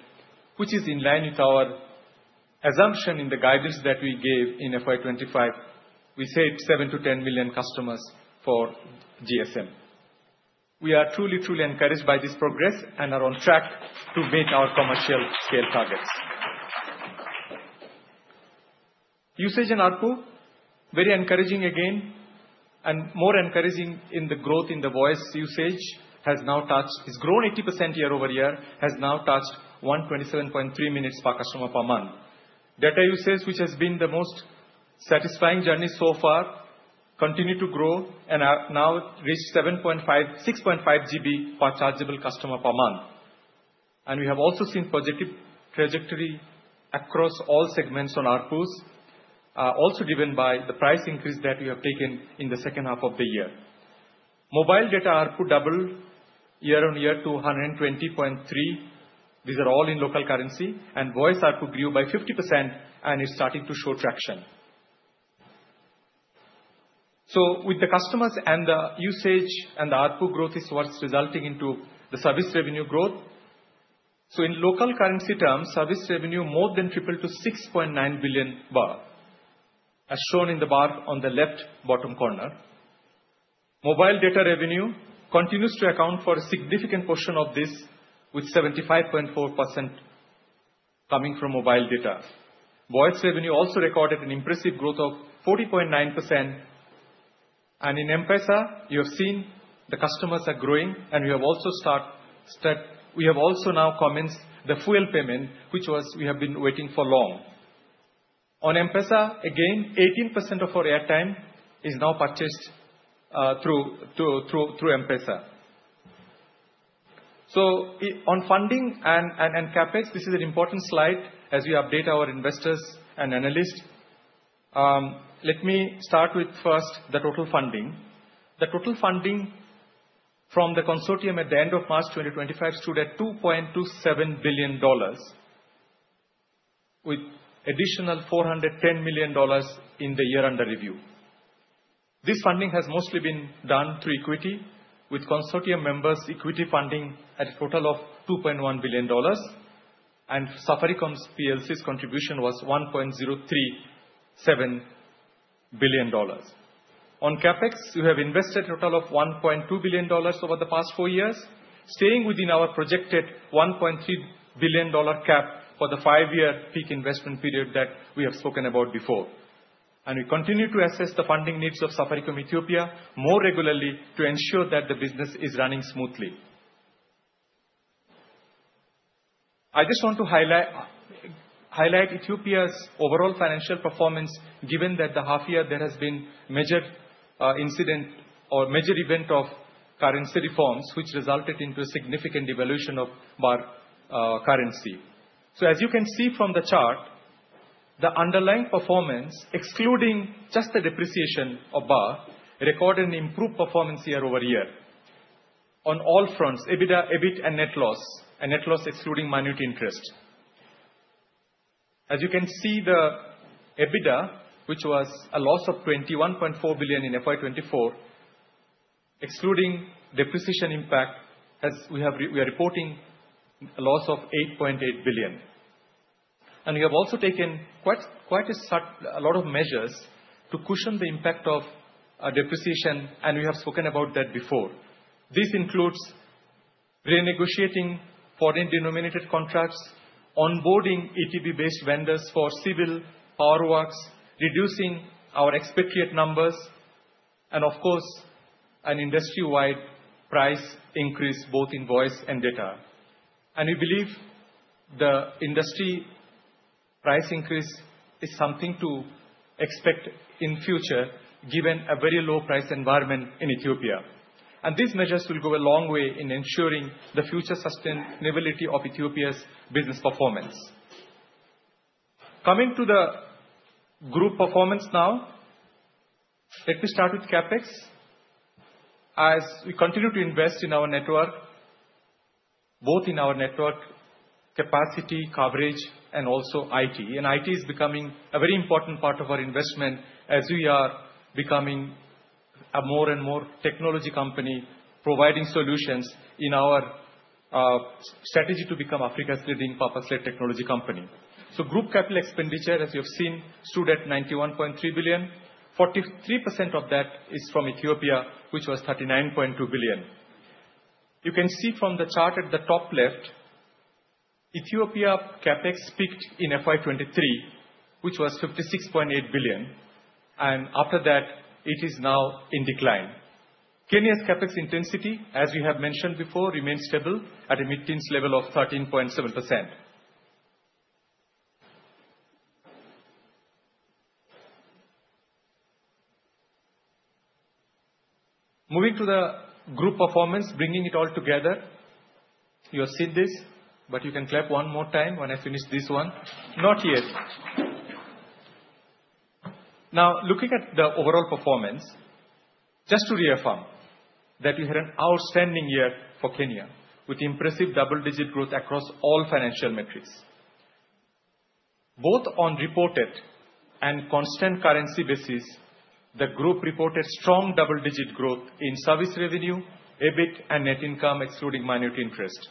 which is in line with our assumption in the guidance that we gave in FY 2025. We said 7 million-10 million customers for GSM. We are truly, truly encouraged by this progress and are on track to meet our commercial scale targets. Usage and output, very encouraging again, and more encouraging in the growth in the voice usage has now touched, has grown 80% year-over-year, has now touched 127.3 minutes per customer per month. Data usage, which has been the most satisfying journey so far, continued to grow and now reached 6.5 GB per chargeable customer per month. We have also seen trajectory across all segments on outputs, also driven by the price increase that we have taken in the second half of the year. Mobile data output doubled year-on-year to 120.3. These are all in local currency. Voice output grew by 50% and is starting to show traction. With the customers and the usage and the output growth, it is what is resulting in the service revenue growth. In local currency terms, service revenue more than tripled to ETB 6.9 billion, as shown in the bar on the left bottom corner. Mobile data revenue continues to account for a significant portion of this, with 75.4% coming from mobile data. Voice revenue also recorded an impressive growth of 40.9%. In M-PESA, you have seen the customers are growing, and we have also now commenced the fuel payment, which we have been waiting for long. On M-PESA, again, 18% of our airtime is now purchased through M-PESA. On funding and CapEx, this is an important slide as we update our investors and analysts. Let me start with first the total funding. The total funding from the consortium at the end of March 2025 stood at $2.27 billion, with additional $410 million in the year under review. This funding has mostly been done through equity, with consortium members' equity funding at a total of $2.1 billion, and Safaricom's contribution was $1.037 billion. On CapEx, we have invested a total of $1.2 billion over the past four years, staying within our projected $1.3 billion cap for the five-year peak investment period that we have spoken about before. We continue to assess the funding needs of Safaricom Ethiopia more regularly to ensure that the business is running smoothly. I just want to highlight Ethiopia's overall financial performance, given that the half year there has been major incident or major event of currency reforms, which resulted in a significant devaluation of currency. As you can see from the chart, the underlying performance, excluding just the depreciation of birr, recorded an improved performance year-over-year on all fronts: EBITDA, EBIT, and net loss, and net loss excluding minute interest. As you can see, the EBITDA, which was a loss of 21.4 billion in FY 2024, excluding depreciation impact, we are reporting a loss of 8.8 billion. We have also taken quite a lot of measures to cushion the impact of depreciation, and we have spoken about that before. This includes renegotiating foreign denominated contracts, onboarding ETB-based vendors for civil power works, reducing our expatriate numbers, and of course, an industry-wide price increase, both in voice and data. We believe the industry price increase is something to expect in the future, given a very low price environment in Ethiopia. These measures will go a long way in ensuring the future sustainability of Ethiopia's business performance. Coming to the group performance now, let me start with CapEx. As we continue to invest in our network, both in our network capacity, coverage, and also IT. IT is becoming a very important part of our investment as we are becoming a more and more technology company, providing solutions in our strategy to become Africa's leading purpose-led technology company. Group capital expenditure, as you have seen, stood at 91.3 billion. 43% of that is from Ethiopia, which was 39.2 billion. You can see from the chart at the top left, Ethiopia CapEx peaked in FY 2023, which was 56.8 billion. After that, it is now in decline. Kenya's CapEx intensity, as we have mentioned before, remains stable at a mid-teens level of 13.7%. Moving to the group performance, bringing it all together, you have seen this, but you can clap one more time when I finish this one. Not yet. Now, looking at the overall performance, just to reaffirm that we had an outstanding year for Kenya with impressive double-digit growth across all financial metrics. Both on reported and constant currency basis, the group reported strong double-digit growth in service revenue, EBIT, and net income, excluding minute interest.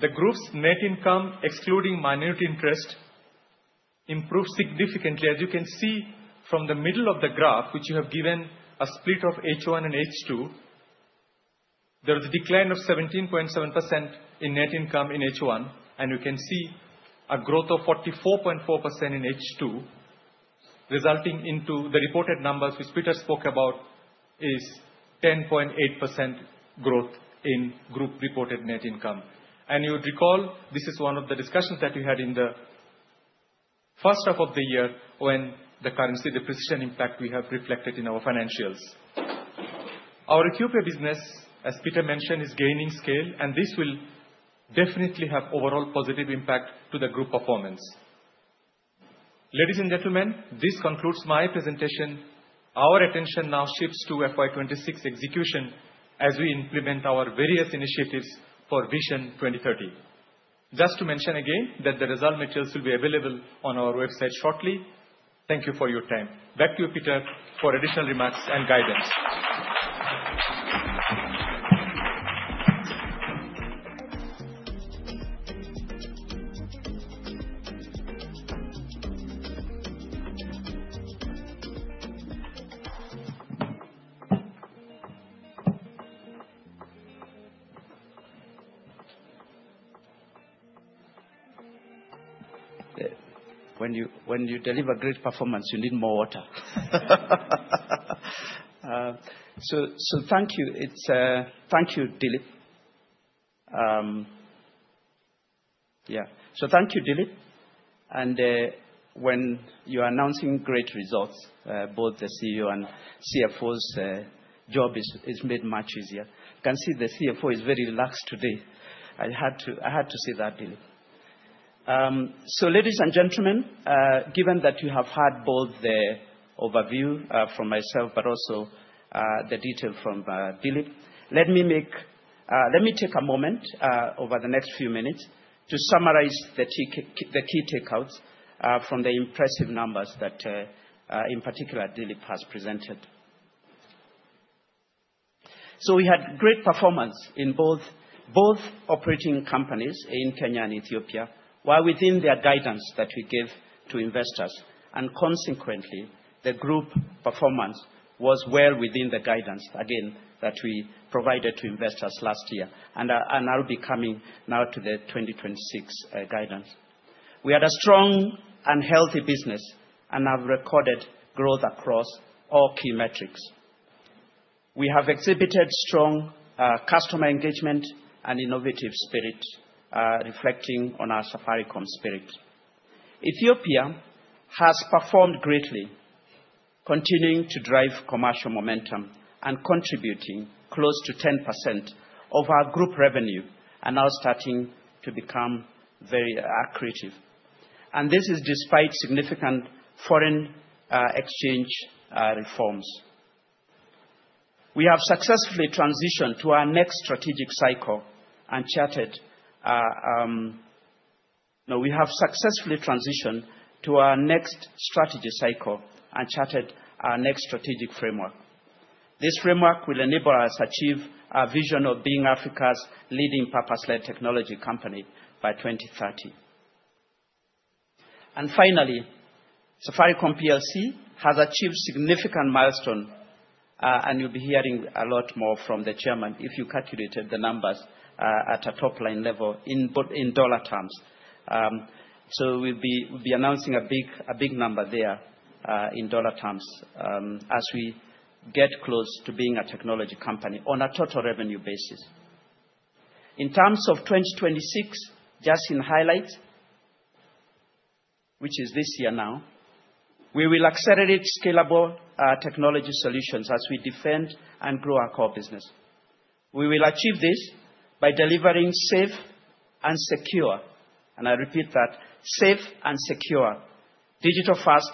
The group's net income, excluding minute interest, improved significantly. As you can see from the middle of the graph, which you have given a split of H1 and H2, there was a decline of 17.7% in net income in H1, and you can see a growth of 44.4% in H2, resulting in the reported numbers which Peter spoke about is 10.8% growth in group reported net income. You would recall this is one of the discussions that we had in the first half of the year when the currency depreciation impact we have reflected in our financials. Our Ethiopia business, as Peter mentioned, is gaining scale, and this will definitely have an overall positive impact on the group performance. Ladies and gentlemen, this concludes my presentation. Our attention now shifts to FY 2026 execution as we implement our various initiatives for Vision 2030. Just to mention again that the result materials will be available on our website shortly. Thank you for your time. Back to you, Peter, for additional remarks and guidance. When you deliver great performance, you need more water. Thank you. Thank you, Dilip. Yeah. Thank you, Dilip. When you're announcing great results, both the CEO and CFO's job is made much easier. You can see the CFO is very relaxed today. I had to say that, Dilip. Ladies and gentlemen, given that you have had both the overview from myself, but also the detail from Dilip, let me take a moment over the next few minutes to summarize the key takeouts from the impressive numbers that, in particular, Dilip has presented. We had great performance in both operating companies in Kenya and Ethiopia, while within their guidance that we gave to investors. Consequently, the group performance was well within the guidance, again, that we provided to investors last year. I'll be coming now to the 2026 guidance. We had a strong and healthy business and have recorded growth across all key metrics. We have exhibited strong customer engagement and innovative spirit, reflecting on our Safaricom spirit. Ethiopia has performed greatly, continuing to drive commercial momentum and contributing close to 10% of our group revenue, and now starting to become very accretive. This is despite significant foreign exchange reforms. We have successfully transitioned to our next strategy cycle and charted our next strategic framework. This framework will enable us to achieve our vision of being Africa's leading purpose-led technology company by 2030. Finally, Safaricom PLC has achieved significant milestones, and you'll be hearing a lot more from the chairman if you calculated the numbers at a top-line level in dollar terms. We will be announcing a big number there in dollar terms as we get close to being a technology company on a total revenue basis. In terms of 2026, just in highlights, which is this year now, we will accelerate scalable technology solutions as we defend and grow our core business. We will achieve this by delivering safe and secure, and I repeat that, safe and secure, digital-first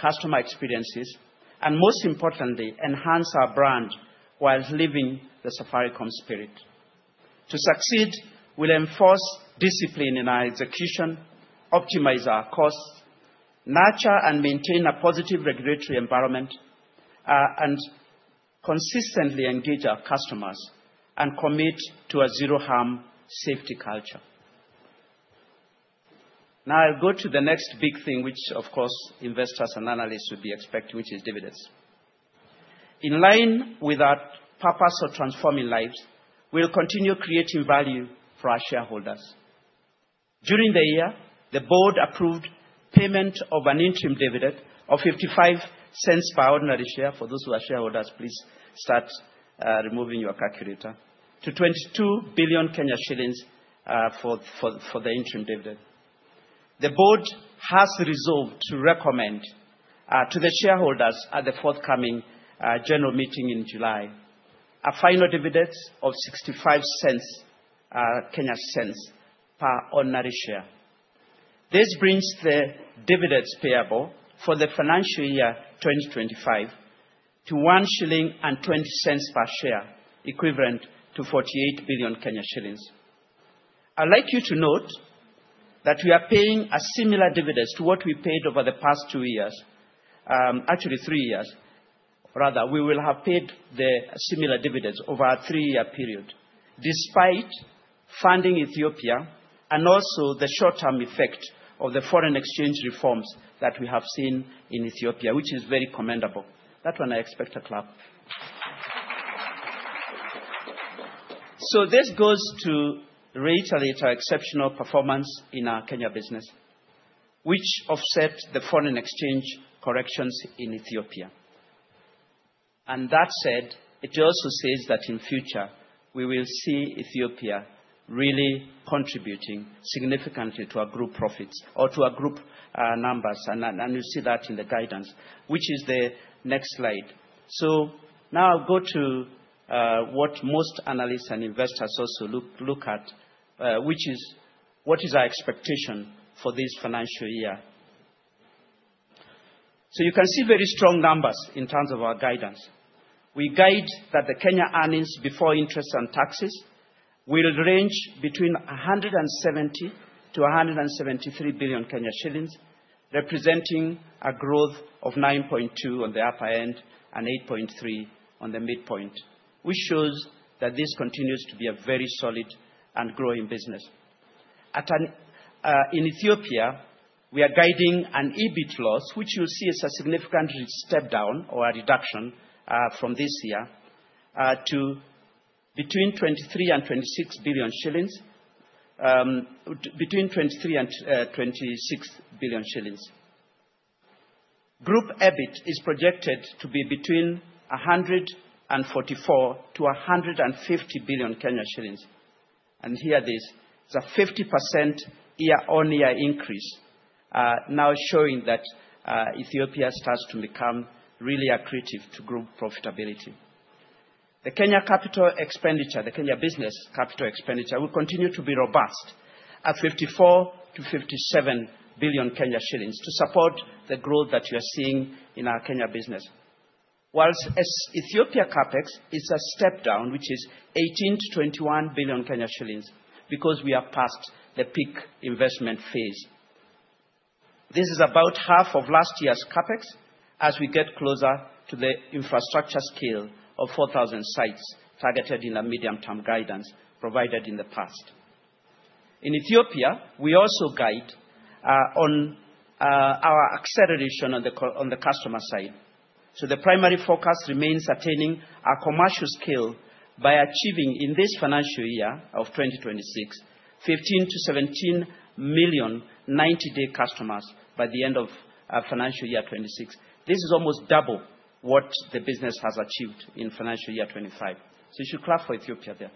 customer experiences, and most importantly, enhance our brand while living the Safaricom spirit. To succeed, we'll enforce discipline in our execution, optimize our costs, nurture, and maintain a positive regulatory environment, and consistently engage our customers and commit to a zero-harm safety culture. Now, I'll go to the next big thing, which, of course, investors and analysts would be expecting, which is dividends. In line with our purpose of transforming lives, we'll continue creating value for our shareholders. During the year, the board approved payment of an interim dividend of 0.55 per ordinary share for those who are shareholders. Please start removing your calculator to 22 billion shillings for the interim dividend. The board has resolved to recommend to the shareholders at the forthcoming general meeting in July a final dividend of 0.65 per ordinary share. This brings the dividends payable for the financial year 2025 to 1.20 shilling per share, equivalent to 48 billion shillings. I'd like you to note that we are paying a similar dividend to what we paid over the past two years, actually three years. Rather, we will have paid the similar dividends over a three-year period, despite funding Ethiopia and also the short-term effect of the foreign exchange reforms that we have seen in Ethiopia, which is very commendable. That one, I expect a clap. This goes to reiterate our exceptional performance in our Kenya business, which offset the foreign exchange corrections in Ethiopia. That said, it also says that in the future, we will see Ethiopia really contributing significantly to our group profits or to our group numbers, and you'll see that in the guidance, which is the next slide. Now I'll go to what most analysts and investors also look at, which is what is our expectation for this financial year. You can see very strong numbers in terms of our guidance. We guide that the Kenya earnings before interest and taxes will range between 170 billion-173 billion shillings, representing a growth of 9.2% on the upper end and 8.3% on the midpoint, which shows that this continues to be a very solid and growing business. In Ethiopia, we are guiding an EBIT loss, which you'll see is a significant step down or a reduction from this year to between 23 billion and 26 billion shillings. Group EBIT is projected to be between 144 billion-150 billion shillings. Here it is. It's a 50% year-on-year increase, now showing that Ethiopia starts to become really accretive to group profitability. The Kenya capital expenditure, the Kenya business capital expenditure, will continue to be robust at 54 billion-57 billion shillings to support the growth that you are seeing in our Kenya business, whilst Ethiopia CapEx is a step down, which is 18 billion-21 billion shillings because we are past the peak investment phase. This is about half of last year's CapEx as we get closer to the infrastructure scale of 4,000 sites targeted in the medium-term guidance provided in the past. In Ethiopia, we also guide on our acceleration on the customer side. The primary focus remains attaining our commercial scale by achieving in this financial year of 2026, 15 million-17 million 90-day customers by the end of financial year 2026. This is almost double what the business has achieved in financial year 2025. You should clap for Ethiopia there.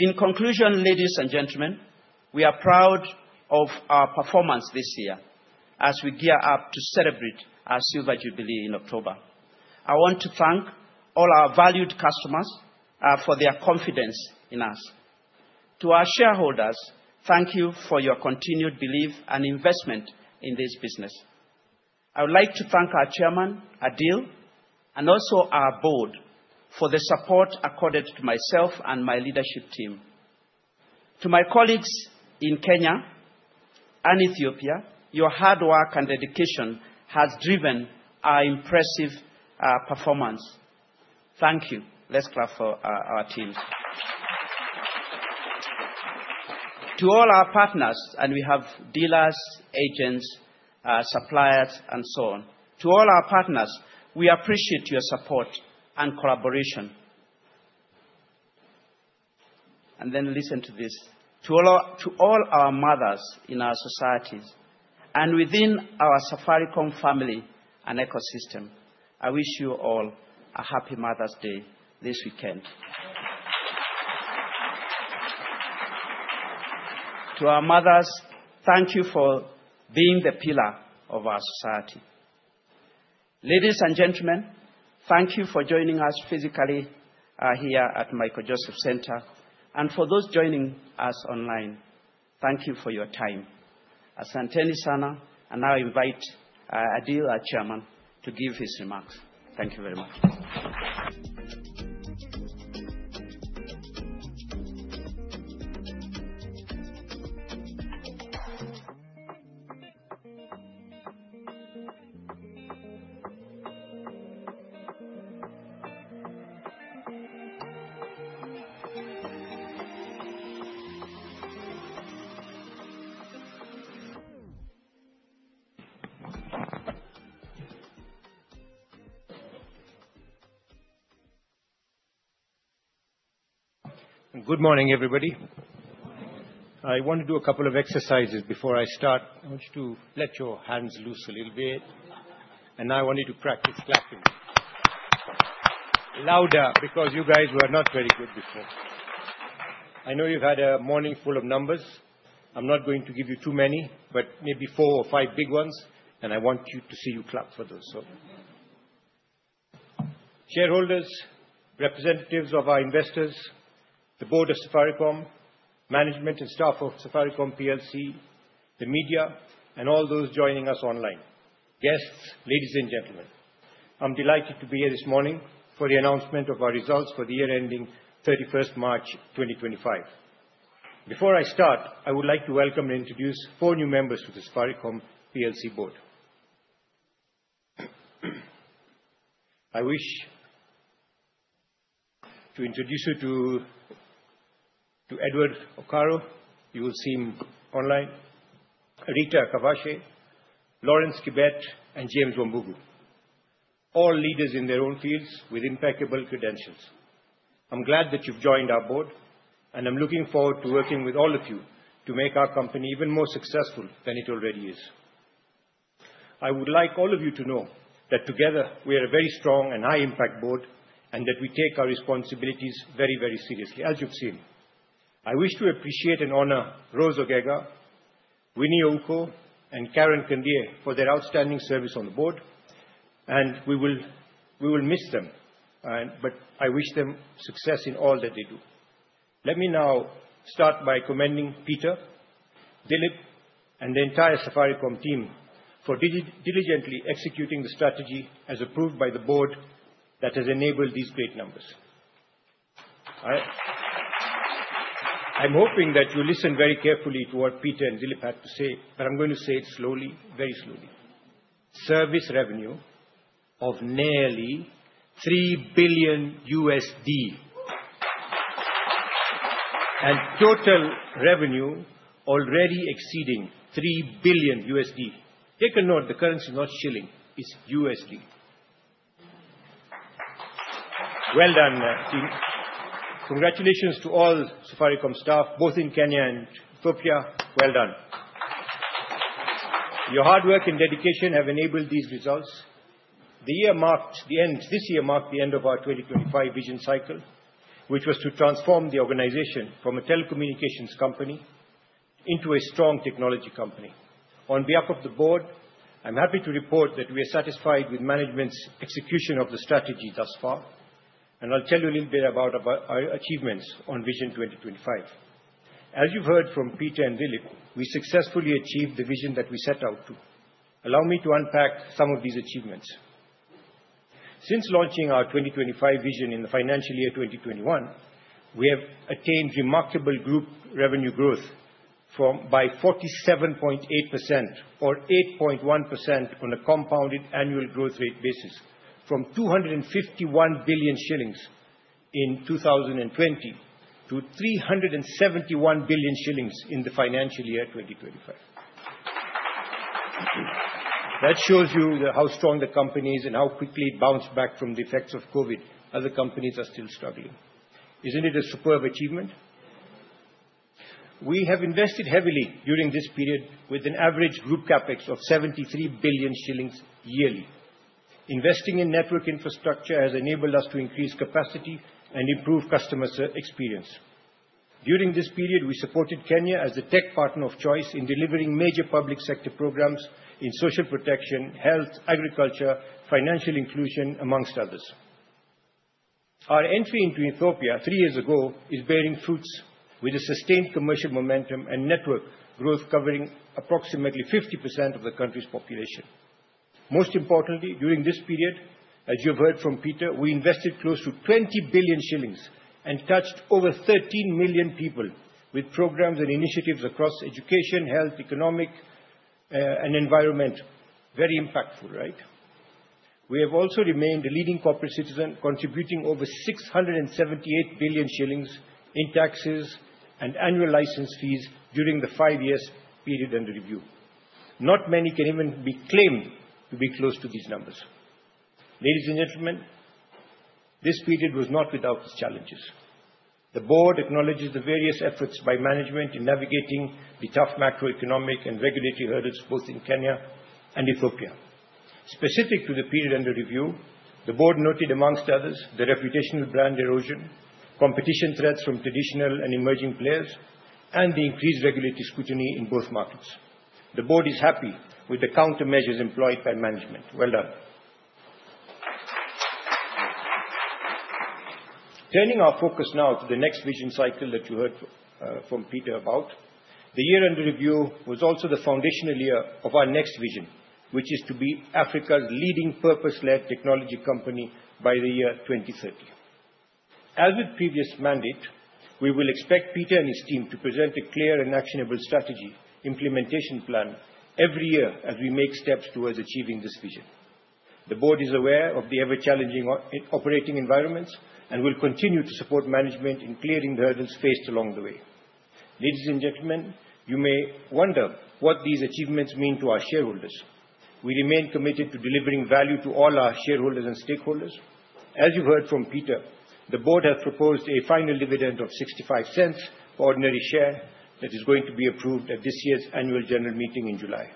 In conclusion, ladies and gentlemen, we are proud of our performance this year as we gear up to celebrate our Silver Jubilee in October. I want to thank all our valued customers for their confidence in us. To our shareholders, thank you for your continued belief and investment in this business. I would like to thank our Chairman, Adil, and also our board for the support accorded to myself and my leadership team. To my colleagues in Kenya and Ethiopia, your hard work and dedication has driven our impressive performance. Thank you. Let's clap for our teams. To all our partners, and we have dealers, agents, suppliers, and so on. To all our partners, we appreciate your support and collaboration. Listen to this. To all our mothers in our societies and within our Safaricom family and ecosystem, I wish you all a happy Mother's Day this weekend. To our mothers, thank you for being the pillar of our society. Ladies and gentlemen, thank you for joining us physically here at Michael Joseph Center, and for those joining us online, thank you for your time. Asanteni sana, and now I invite Adil, our Chairman, to give his remarks. Thank you very much. Good morning, everybody. I want to do a couple of exercises before I start. I want you to let your hands loose a little bit, and now I want you to practice clapping louder because you guys were not very good before. I know you've had a morning full of numbers. I'm not going to give you too many, but maybe four or five big ones, and I want you to see you clap for those. Shareholders, representatives of our investors, the board of Safaricom, management and staff of Safaricom PLC, the media, and all those joining us online, guests, ladies and gentlemen, I'm delighted to be here this morning for the announcement of our results for the year ending 31st March 2025. Before I start, I would like to welcome and introduce four new members to the Safaricom PLC board. I wish to introduce you to Edward Okaro. You will see him online. Rita Kavache, Lawrence Kibet, and James Wambugu, all leaders in their own fields with impeccable credentials. I'm glad that you've joined our board, and I'm looking forward to working with all of you to make our company even more successful than it already is. I would like all of you to know that together, we are a very strong and high-impact board and that we take our responsibilities very, very seriously, as you've seen. I wish to appreciate and honor Rose Ogega, Winnie Ouko, and Karen Kandie for their outstanding service on the board, and we will miss them, but I wish them success in all that they do. Let me now start by commending Peter, Dilip, and the entire Safaricom team for diligently executing the strategy as approved by the board that has enabled these great numbers. I'm hoping that you'll listen very carefully to what Peter and Dilip had to say, but I'm going to say it slowly, very slowly. Service revenue of nearly $3 billion and total revenue already exceeding $3 billion. Take a note, the currency is not shilling, it's USD. Well done, team. Congratulations to all Safaricom staff, both in Kenya and Ethiopia. Well done. Your hard work and dedication have enabled these results. This year marked the end of our 2025 vision cycle, which was to transform the organization from a telecommunications company into a strong technology company. On behalf of the board, I'm happy to report that we are satisfied with management's execution of the strategy thus far, and I'll tell you a little bit about our achievements on vision 2025. As you've heard from Peter and Dilip, we successfully achieved the vision that we set out to. Allow me to unpack some of these achievements. Since launching our 2025 vision in the financial year 2021, we have attained remarkable group revenue growth by 47.8% or 8.1% on a compounded annual growth rate basis from 251 billion shillings in 2020 to 371 billion shillings in the financial year 2025. That shows you how strong the company is and how quickly it bounced back from the effects of COVID as the companies are still struggling. Isn't it a superb achievement? We have invested heavily during this period with an average group CapEx of 73 billion shillings yearly. Investing in network infrastructure has enabled us to increase capacity and improve customer experience. During this period, we supported Kenya as the tech partner of choice in delivering major public sector programs in social protection, health, agriculture, financial inclusion, amongst others. Our entry into Ethiopia three years ago is bearing fruits with a sustained commercial momentum and network growth covering approximately 50% of the country's population. Most importantly, during this period, as you've heard from Peter, we invested close to 20 billion shillings and touched over 13 million people with programs and initiatives across education, health, economic, and environment. Very impactful, right? We have also remained a leading corporate citizen, contributing over 678 billion shillings in taxes and annual license fees during the five-year period under review. Not many can even be claimed to be close to these numbers. Ladies and gentlemen, this period was not without its challenges. The board acknowledges the various efforts by management in navigating the tough macroeconomic and regulatory hurdles both in Kenya and Ethiopia. Specific to the period under review, the board noted, amongst others, the reputational brand erosion, competition threats from traditional and emerging players, and the increased regulatory scrutiny in both markets. The board is happy with the countermeasures employed by management. Well done. Turning our focus now to the next vision cycle that you heard from Peter about, the year under review was also the foundational year of our next vision, which is to be Africa's leading purpose-led technology company by the year 2030. As with previous mandate, we will expect Peter and his team to present a clear and actionable strategy implementation plan every year as we make steps towards achieving this vision. The board is aware of the ever-challenging operating environments and will continue to support management in clearing the hurdles faced along the way. Ladies and gentlemen, you may wonder what these achievements mean to our shareholders. We remain committed to delivering value to all our shareholders and stakeholders. As you've heard from Peter, the board has proposed a final dividend of 0.65 for ordinary share that is going to be approved at this year's annual general meeting in July.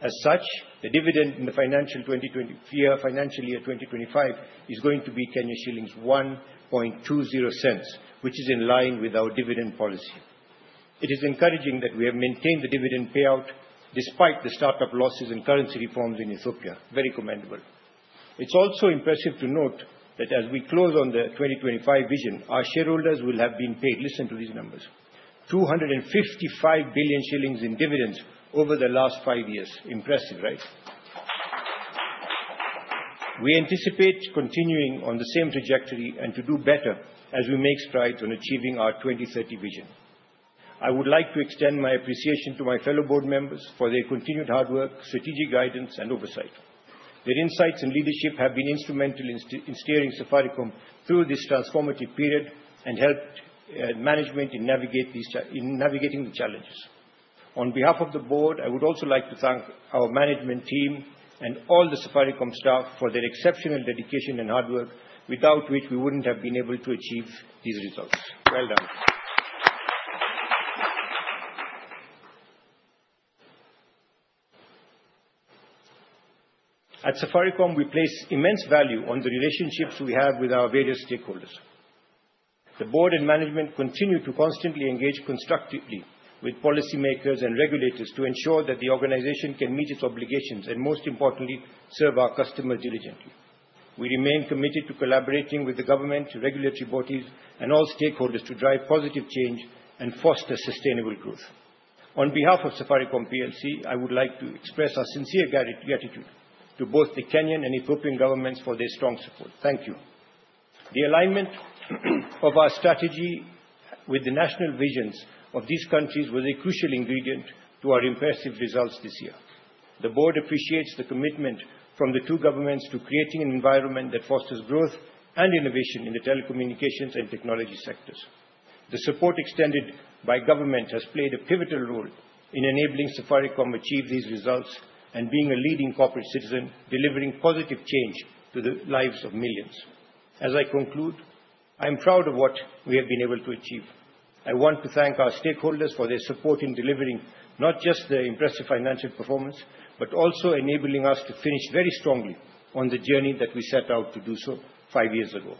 As such, the dividend in the financial year 2025 is going to be shillings 1.20, which is in line with our dividend policy. It is encouraging that we have maintained the dividend payout despite the startup losses and currency reforms in Ethiopia. Very commendable. It's also impressive to note that as we close on the 2025 vision, our shareholders will have been paid. Listen to these numbers: 255 billion shillings in dividends over the last five years. Impressive, right? We anticipate continuing on the same trajectory and to do better as we make strides on achieving our 2030 vision. I would like to extend my appreciation to my fellow board members for their continued hard work, strategic guidance, and oversight. Their insights and leadership have been instrumental in steering Safaricom through this transformative period and helped management in navigating the challenges. On behalf of the board, I would also like to thank our management team and all the Safaricom staff for their exceptional dedication and hard work, without which we would not have been able to achieve these results. Well done. At Safaricom, we place immense value on the relationships we have with our various stakeholders. The board and management continue to constantly engage constructively with policymakers and regulators to ensure that the organization can meet its obligations and, most importantly, serve our customers diligently. We remain committed to collaborating with the government, regulatory bodies, and all stakeholders to drive positive change and foster sustainable growth. On behalf of Safaricom PLC, I would like to express our sincere gratitude to both the Kenyan and Ethiopian governments for their strong support. Thank you. The alignment of our strategy with the national visions of these countries was a crucial ingredient to our impressive results this year. The board appreciates the commitment from the two governments to creating an environment that fosters growth and innovation in the telecommunications and technology sectors. The support extended by government has played a pivotal role in enabling Safaricom to achieve these results and being a leading corporate citizen, delivering positive change to the lives of millions. As I conclude, I am proud of what we have been able to achieve. I want to thank our stakeholders for their support in delivering not just the impressive financial performance, but also enabling us to finish very strongly on the journey that we set out to do so five years ago.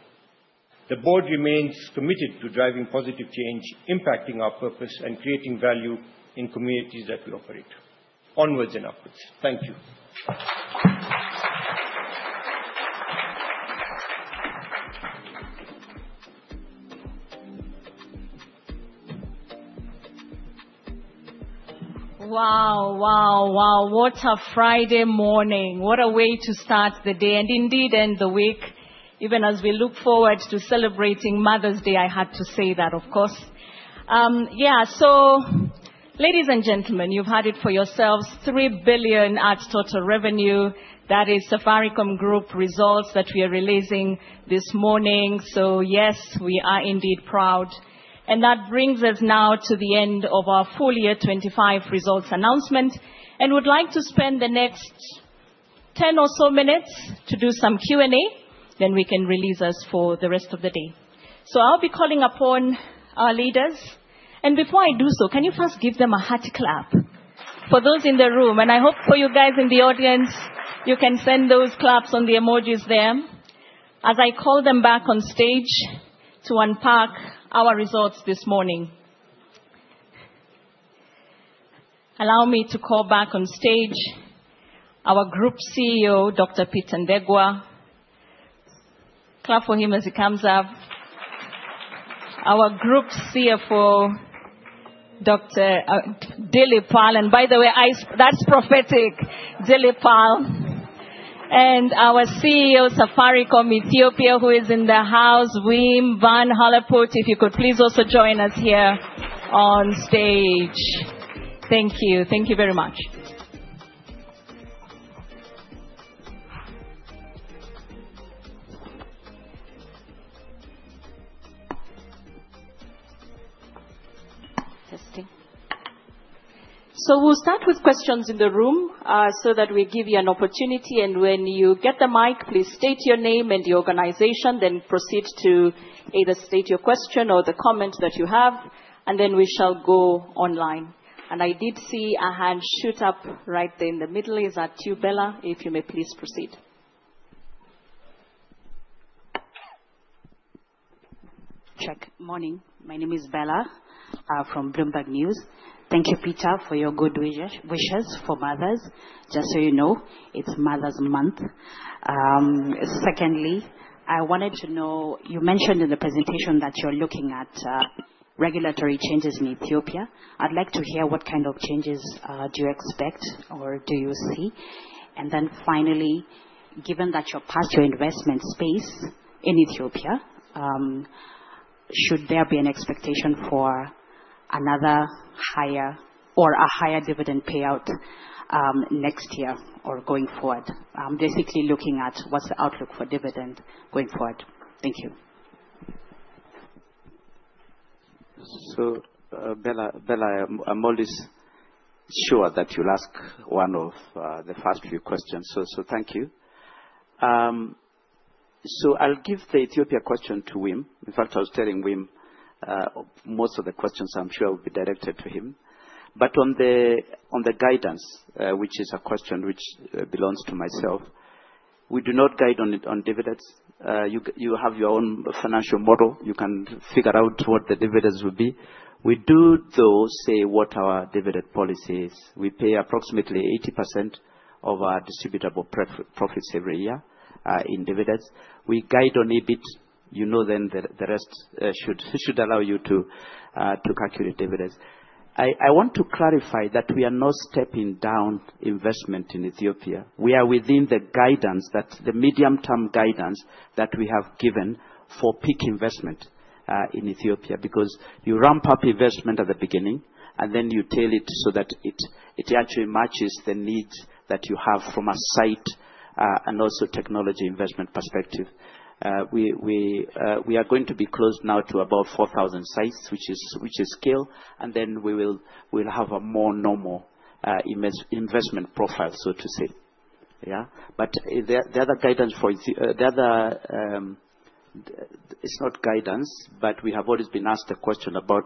The board remains committed to driving positive change, impacting our purpose, and creating value in communities that we operate. Onwards and upwards. Thank you. Wow, wow, wow. What a Friday morning. What a way to start the day and indeed end the week. Even as we look forward to celebrating Mother's Day, I had to say that, of course. Yeah, so ladies and gentlemen, you've heard it for yourselves. 3 billion adds total revenue. That is Safaricom Group results that we are releasing this morning. Yes, we are indeed proud. That brings us now to the end of our full year 2025 results announcement. We'd like to spend the next 10 or so minutes to do some Q&A, then we can release us for the rest of the day. I'll be calling upon our leaders. Before I do so, can you first give them a hearty clap for those in the room? I hope for you guys in the audience, you can send those claps on the emojis there as I call them back on stage to unpack our results this morning. Allow me to call back on stage our Group CEO, Dr. Peter Ndegwa. Clap for him as he comes up. Our Group CFO, Dilip Pal. By the way, that's prophetic. Dilip Pal. Our CEO, Safaricom Ethiopia, who is in the house, Wim Vanhelleputte, if you could please also join us here on stage. Thank you. Thank you very much. We'll start with questions in the room so that we give you an opportunity. When you get the mic, please state your name and your organization, then proceed to either state your question or the comment that you have, and then we shall go online. I did see a hand shoot up right there in the middle. Is that you, Bella? If you may please proceed. Check. Morning. My name is Bella from Bloomberg News. Thank you, Peter, for your good wishes for mothers. Just so you know, it's Mother's Month. Secondly, I wanted to know, you mentioned in the presentation that you're looking at regulatory changes in Ethiopia. I'd like to hear what kind of changes do you expect or do you see? Then finally, given that you're past your investment space in Ethiopia, should there be an expectation for another higher or a higher dividend payout next year or going forward? I'm basically looking at what's the outlook for dividend going forward. Thank you. Bella, I'm always sure that you'll ask one of the first few questions. Thank you. I'll give the Ethiopia question to Wim. In fact, I was telling Wim most of the questions, I'm sure, will be directed to him. On the guidance, which is a question which belongs to myself, we do not guide on dividends. You have your own financial model. You can figure out what the dividends will be. We do, though, say what our dividend policy is. We pay approximately 80% of our distributable profits every year in dividends. We guide on EBIT. You know then that the rest should allow you to calculate dividends. I want to clarify that we are not stepping down investment in Ethiopia. We are within the guidance, the medium-term guidance that we have given for peak investment in Ethiopia because you ramp up investment at the beginning and then you tail it so that it actually matches the needs that you have from a site and also technology investment perspective. We are going to be close now to about 4,000 sites, which is scale, and then we will have a more normal investment profile, so to say. Yeah? The other guidance for Ethiopia, the other it's not guidance, but we have always been asked the question about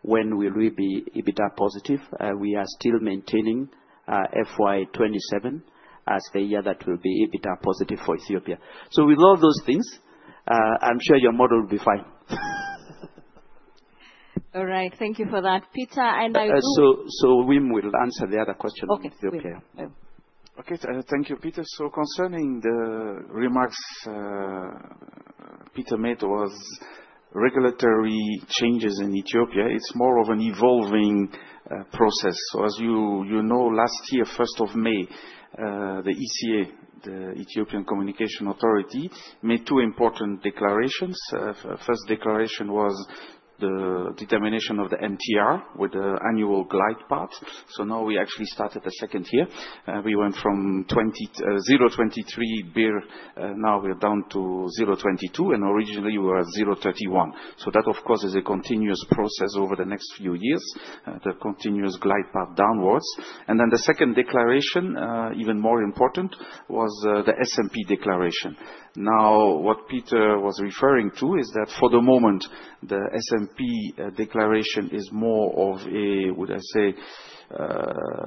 when will we be EBITDA positive. We are still maintaining FY 2027 as the year that will be EBITDA positive for Ethiopia. With all those things, I'm sure your model will be fine. All right. Thank you for that, Peter. I will— Wim will answer the other question in Ethiopia. Okay. Thank you, Peter. Concerning the remarks Peter made was regulatory changes in Ethiopia, it's more of an evolving process. As you know, last year, 1st of May, the ECA, the Ethiopian Communication Authority, made two important declarations. First declaration was the determination of the MTR with the annual glide path. Now we actually started the second year. We went from ETB 0.23, now we're down to ETB 0.22, and originally we were at ETB 0.31. That, of course, is a continuous process over the next few years, the continuous glide path downwards. The second declaration, even more important, was the SMP declaration. Now, what Peter was referring to is that for the moment, the SMP declaration is more of a, would I say,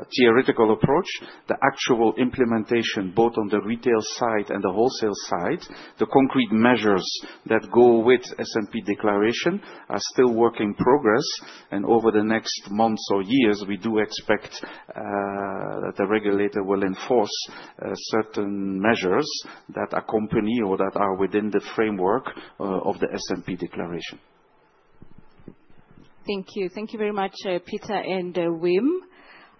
theoretical approach. The actual implementation, both on the retail side and the wholesale side, the concrete measures that go with SMP declaration are still work in progress. Over the next months or years, we do expect that the regulator will enforce certain measures that accompany or that are within the framework of the SMP declaration. Thank you. Thank you very much, Peter and Wim.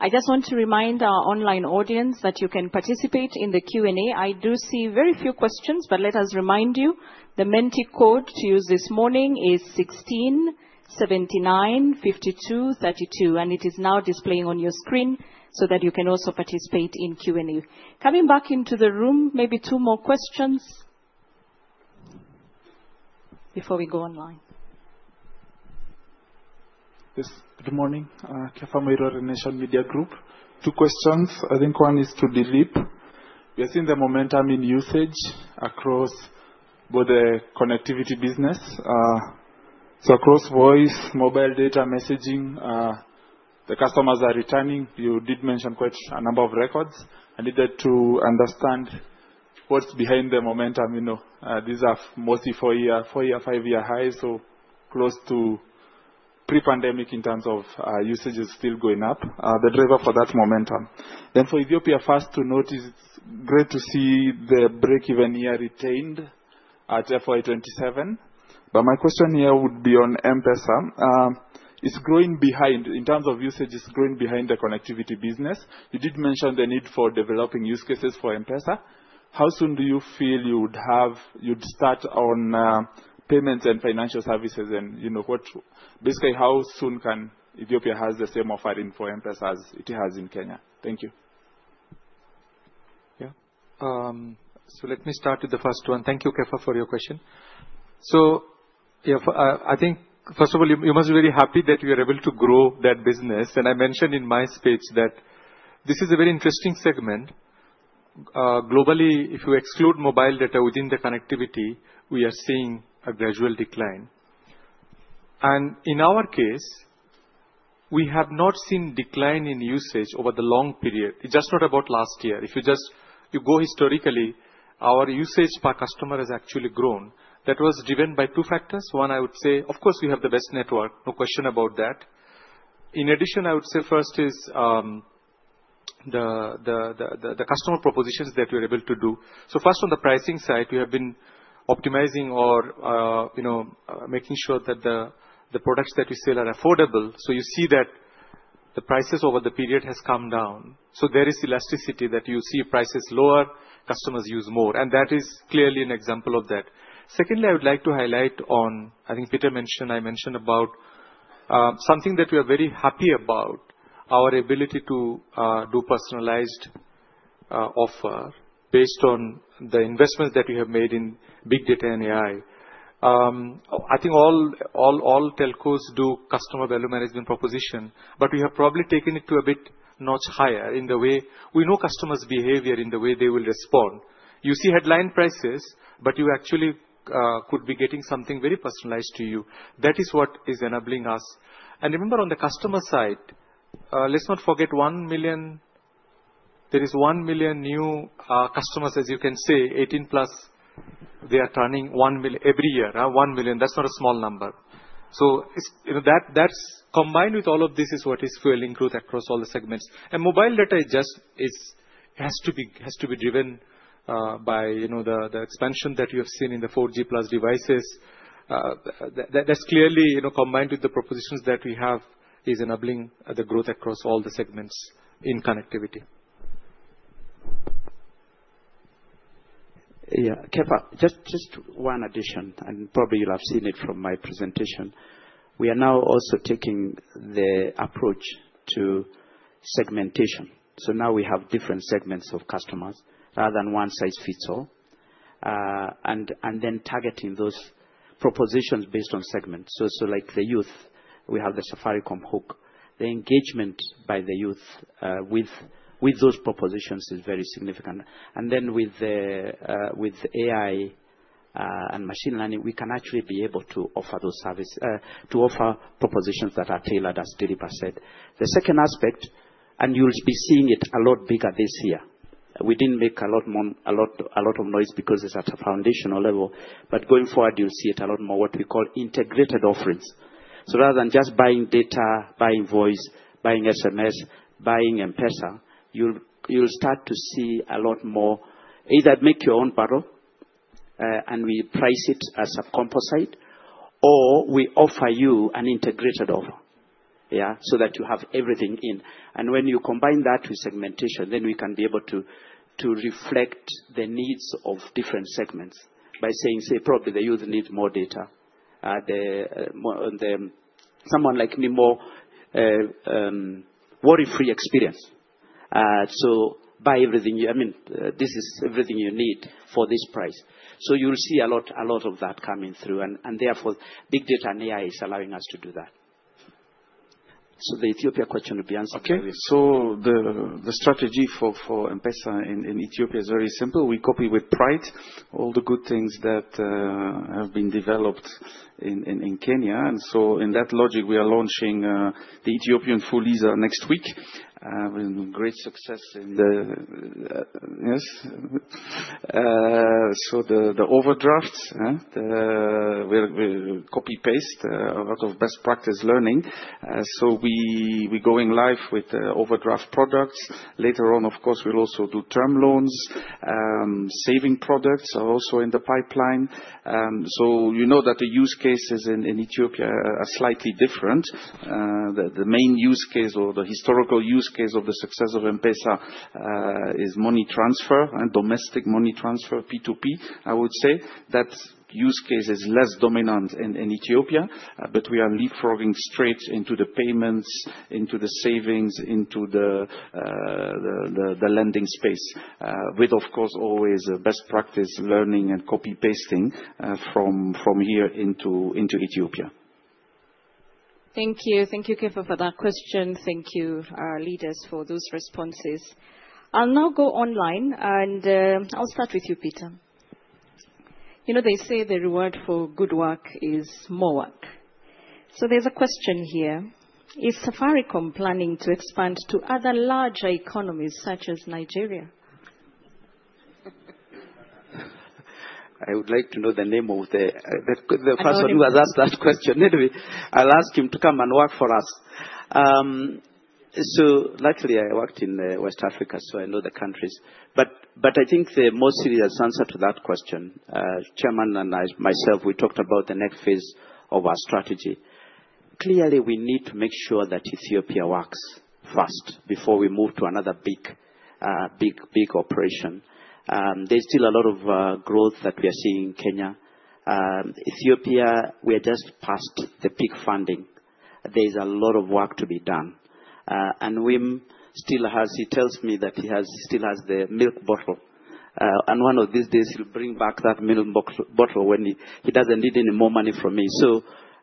I just want to remind our online audience that you can participate in the Q&A. I do see very few questions, but let us remind you, the Menti code to use this morning is 16795232, and it is now displaying on your screen so that you can also participate in Q&A. Coming back into the room, maybe two more questions before we go online. Yes. Good morning. Kefa Mwira, the Nation Media Group. Two questions. I think one is to Dilip. We are seeing the momentum in usage across both the connectivity business. So across voice, mobile data, messaging, the customers are returning. You did mention quite a number of records. I needed to understand what's behind the momentum. These are mostly four-year, five-year highs, so close to pre-pandemic in terms of usage is still going up. The driver for that momentum. For Ethiopia, fast to notice, it's great to see the break-even year retained at FY 2027. My question here would be on M-PESA. It's growing behind. In terms of usage, it's growing behind the connectivity business. You did mention the need for developing use cases for M-PESA. How soon do you feel you'd start on payments and financial services? Basically, how soon can Ethiopia have the same offering for M-PESA as it has in Kenya? Thank you. Yeah. Let me start with the first one. Thank you, Kefa, for your question. I think, first of all, you must be very happy that we are able to grow that business. I mentioned in my speech that this is a very interesting segment. Globally, if you exclude mobile data within the connectivity, we are seeing a gradual decline. In our case, we have not seen a decline in usage over the long period. It is just not about last year. If you go historically, our usage per customer has actually grown. That was driven by two factors. One, I would say, of course, we have the best network. No question about that. In addition, I would say first is the customer propositions that we are able to do. First, on the pricing side, we have been optimizing or making sure that the products that we sell are affordable. You see that the prices over the period have come down. There is elasticity that you see prices lower, customers use more. That is clearly an example of that. Secondly, I would like to highlight on, I think Peter mentioned, I mentioned about something that we are very happy about, our ability to do personalized offer based on the investments that we have made in big data and AI. I think all telcos do customer value management proposition, but we have probably taken it to a bit notch higher in the way we know customers' behavior, in the way they will respond. You see headline prices, but you actually could be getting something very personalized to you. That is what is enabling us. Remember, on the customer side, let's not forget 1 million. There is 1 million new customers, as you can say, 18+. They are turning one million every year. 1 million. That's not a small number. Combined with all of this, it is what is fueling growth across all the segments. Mobile data just has to be driven by the expansion that you have seen in the 4G+ devices. That is clearly combined with the propositions that we have, enabling the growth across all the segments in connectivity. Yeah. Kefa, just one addition, and probably you will have seen it from my presentation. We are now also taking the approach to segmentation. Now we have different segments of customers rather than one size fits all, and then targeting those propositions based on segments. Like the youth, we have the Safaricom Hook. The engagement by the youth with those propositions is very significant. With AI and machine learning, we can actually be able to offer those services, to offer propositions that are tailored, as Dilip said. The second aspect, and you'll be seeing it a lot bigger this year. We did not make a lot of noise because it is at a foundational level, but going forward, you'll see it a lot more, what we call integrated offerings. Rather than just buying data, buying voice, buying SMS, buying M-PESA, you'll start to see a lot more. Either make your own bottle and we price it as a composite, or we offer you an integrated offer, yeah, so that you have everything in. When you combine that with segmentation, then we can be able to reflect the needs of different segments by saying, say, probably the youth need more data. Someone like Nimo, worry-free experience. So buy everything. I mean, this is everything you need for this price. You'll see a lot of that coming through. Therefore, big data and AI is allowing us to do that. The Ethiopia question will be answered very well. Okay. The strategy for M-PESA in Ethiopia is very simple. We copy with pride all the good things that have been developed in Kenya. In that logic, we are launching the Ethiopian Fuliza next week. We've had great success in the, yes. The overdrafts, we copy-paste a lot of best practice learning. We're going live with overdraft products. Later on, of course, we'll also do term loans. Saving products are also in the pipeline. You know that the use cases in Ethiopia are slightly different. The main use case or the historical use case of the success of M-PESA is money transfer, domestic money transfer, P2P, I would say. That use case is less dominant in Ethiopia, but we are leapfrogging straight into the payments, into the savings, into the lending space, with, of course, always best practice learning and copy-pasting from here into Ethiopia. Thank you. Thank you, Kefa, for that question. Thank you, leaders, for those responses. I'll now go online, and I'll start with you, Peter. You know they say the reward for good work is more work. There is a question here. Is Safaricom planning to expand to other larger economies such as Nigeria? I would like to know the name of the person who has asked that question. I'll ask him to come and work for us. Luckily, I worked in West Africa, so I know the countries. I think the most serious answer to that question, Chairman and myself, we talked about the next phase of our strategy. Clearly, we need to make sure that Ethiopia works first before we move to another big operation. There's still a lot of growth that we are seeing in Kenya. Ethiopia, we are just past the peak funding. There's a lot of work to be done. Wim still has, he tells me that he still has the milk bottle. One of these days, he'll bring back that milk bottle when he doesn't need any more money from me.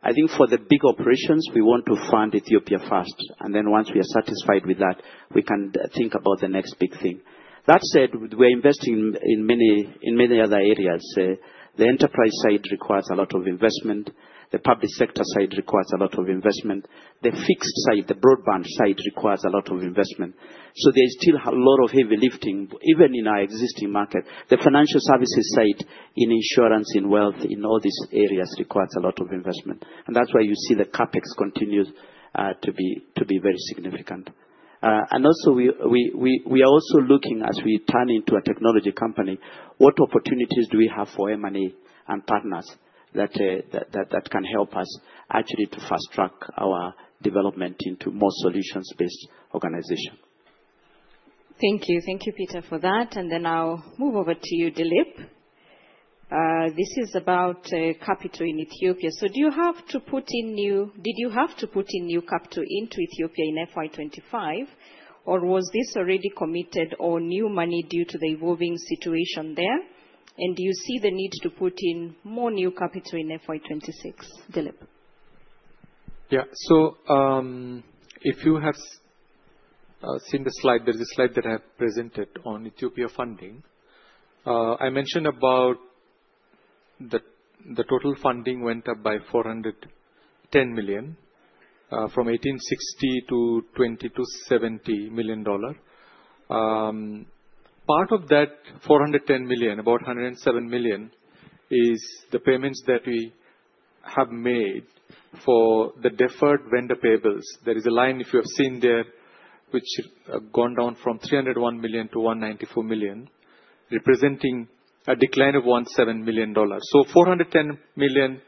I think for the big operations, we want to fund Ethiopia first. Once we are satisfied with that, we can think about the next big thing. That said, we're investing in many other areas. The enterprise side requires a lot of investment. The public sector side requires a lot of investment. The fixed side, the broadband side requires a lot of investment. There is still a lot of heavy lifting, even in our existing market. The financial services side in insurance, in wealth, in all these areas requires a lot of investment. That is why you see the CapEx continue to be very significant. We are also looking, as we turn into a technology company, at what opportunities we have for M&A and partners that can help us actually to fast-track our development into a more solutions-based organization. Thank you. Thank you, Peter, for that. I will move over to you, Dilip. This is about capital in Ethiopia. Do you have to put in new, did you have to put in new capital into Ethiopia in FY 2025, or was this already committed or new money due to the evolving situation there? Do you see the need to put in more new capital in FY 2026, Dilip? Yeah. If you have seen the slide, there is a slide that I have presented on Ethiopia funding. I mentioned about the total funding went up by $410 million from $1,860 million to $2,270 million. Part of that $410 million, about $107 million, is the payments that we have made for the deferred vendor payables. There is a line, if you have seen there, which has gone down from $301 million to $194 million, representing a decline of $107 million. $410 million,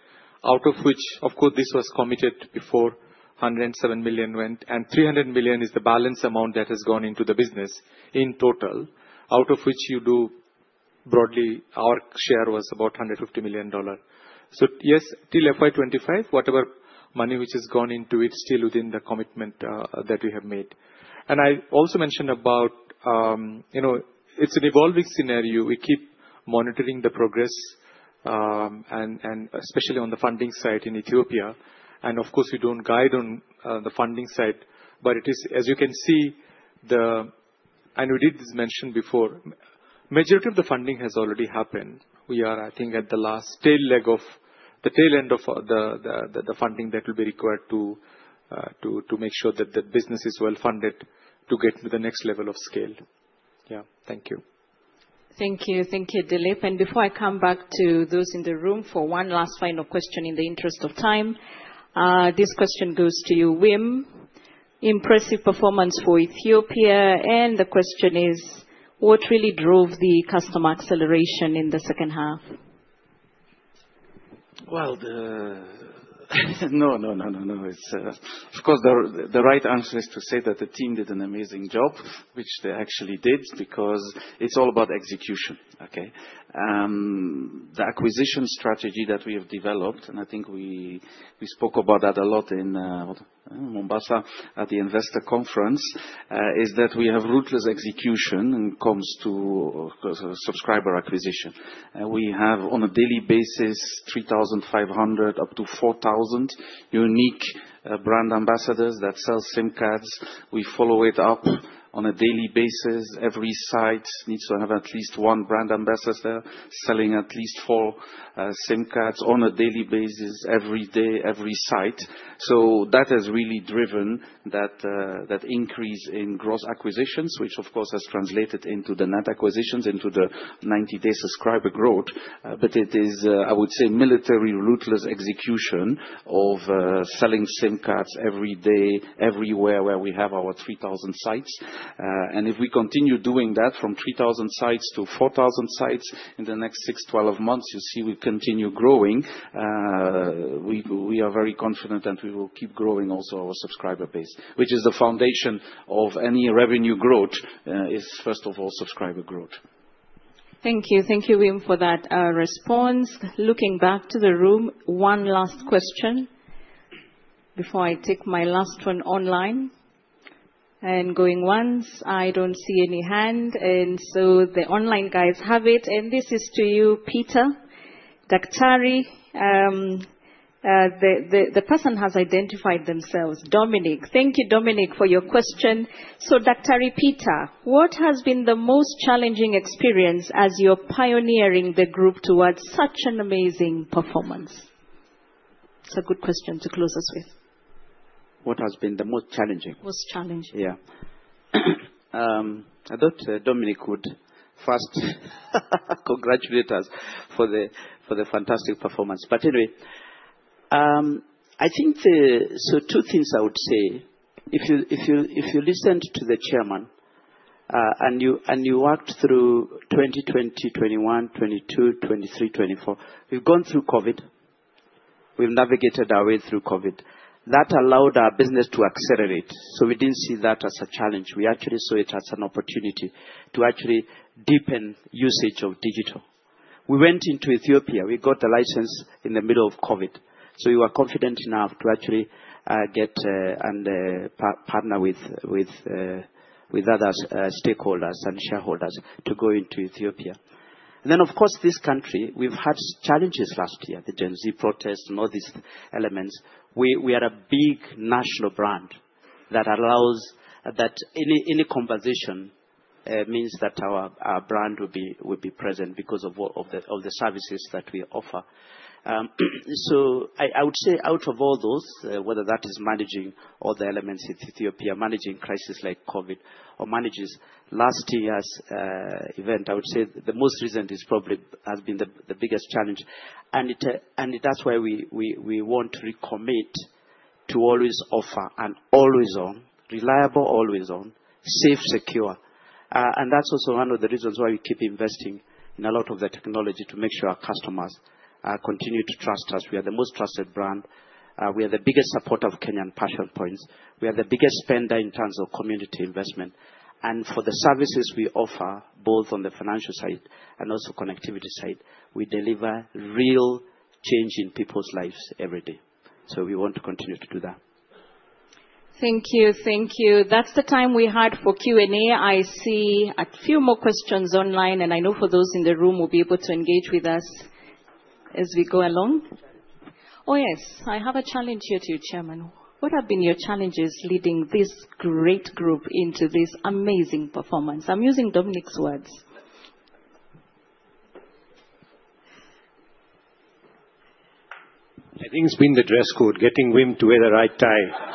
out of which, of course, this was committed before, $107 million went, and $300 million is the balance amount that has gone into the business in total, out of which you do broadly, our share was about $150 million. Yes, till FY 2025, whatever money which has gone into it, still within the commitment that we have made. I also mentioned about it's an evolving scenario. We keep monitoring the progress, and especially on the funding side in Ethiopia. Of course, we do not guide on the funding side, but it is, as you can see, and we did mention before, majority of the funding has already happened. We are, I think, at the last tail leg of the tail end of the funding that will be required to make sure that the business is well funded to get to the next level of scale. Yeah. Thank you. Thank you. Thank you, Dilip. Before I come back to those in the room for one last final question in the interest of time, this question goes to you, Wim. Impressive performance for Ethiopia. The question is, what really drove the customer acceleration in the second half? Of course, the right answer is to say that the team did an amazing job, which they actually did, because it is all about execution, okay? The acquisition strategy that we have developed, and I think we spoke about that a lot in Mombasa at the investor conference, is that we have ruthless execution when it comes to subscriber acquisition. We have, on a daily basis, 3,500-4,000 unique brand ambassadors that sell SIM cards. We follow it up on a daily basis. Every site needs to have at least one brand ambassador selling at least four SIM cards on a daily basis, every day, every site. That has really driven that increase in gross acquisitions, which, of course, has translated into the net acquisitions, into the 90-day subscriber growth. It is, I would say, military rootless execution of selling SIM cards every day, everywhere where we have our 3,000 sites. If we continue doing that from 3,000 sites to 4,000 sites in the next 6-12 months, you see we continue growing. We are very confident that we will keep growing also our subscriber base, which is the foundation of any revenue growth, is first of all subscriber growth. Thank you. Thank you, Wim, for that response. Looking back to the room, one last question before I take my last one online. Going once, I don't see any hand. The online guys have it. This is to you, Peter Daktari. The person has identified themselves. Dominic, thank you, Dominic, for your question. Daktari Peter, what has been the most challenging experience as you're pioneering the group towards such an amazing performance? It's a good question to close us with. What has been the most challenging? Most challenging. I thought Dominic would first congratulate us for the fantastic performance. Anyway, I think two things I would say. If you listened to the Chairman and you walked through 2020, 2021, 2022, 2023, 2024, we've gone through COVID. We've navigated our way through COVID. That allowed our business to accelerate. We didn't see that as a challenge. We actually saw it as an opportunity to deepen usage of digital. We went into Ethiopia. We got the license in the middle of COVID. We were confident enough to actually get and partner with other stakeholders and shareholders to go into Ethiopia. Of course, this country, we've had challenges last year, the Gen Z protests and all these elements. We are a big national brand that allows that any conversation means that our brand will be present because of the services that we offer. I would say out of all those, whether that is managing all the elements in Ethiopia, managing crises like COVID, or managing last year's event, I would say the most recent has been the biggest challenge. That is why we want to recommit to always offer an always on, reliable, always on, safe, secure. That is also one of the reasons why we keep investing in a lot of the technology to make sure our customers continue to trust us. We are the most trusted brand. We are the biggest supporter of Kenyan passion points. We are the biggest spender in terms of community investment. For the services we offer, both on the financial side and also connectivity side, we deliver real change in people's lives every day. We want to continue to do that. Thank you. Thank you. That is the time we had for Q&A. I see a few more questions online. I know for those in the room, we will be able to engage with us as we go along. Oh, yes. I have a challenge here to you, Chairman. What have been your challenges leading this great group into this amazing performance? I am using Dominic's words. I think it's been the dress code, getting Wim to wear the right tie.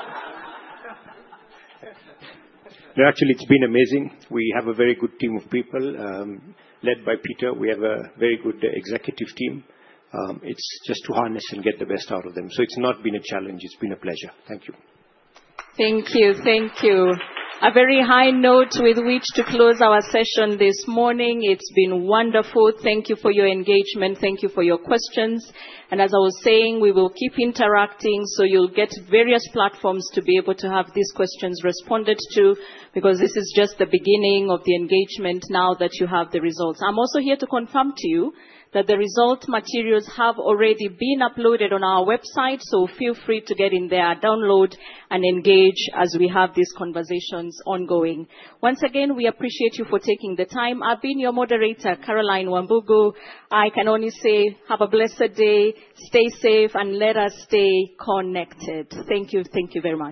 No, actually, it's been amazing. We have a very good team of people led by Peter. We have a very good executive team. It's just to harness and get the best out of them. So it's not been a challenge. It's been a pleasure. Thank you. Thank you. Thank you. A very high note with which to close our session this morning. It's been wonderful. Thank you for your engagement. Thank you for your questions. As I was saying, we will keep interacting. You'll get various platforms to be able to have these questions responded to, because this is just the beginning of the engagement now that you have the results. I'm also here to confirm to you that the result materials have already been uploaded on our website. Feel free to get in there, download, and engage as we have these conversations ongoing. Once again, we appreciate you for taking the time. I've been your moderator, Caroline Wambugu. I can only say, have a blessed day, stay safe, and let us stay connected. Thank you. Thank you very much.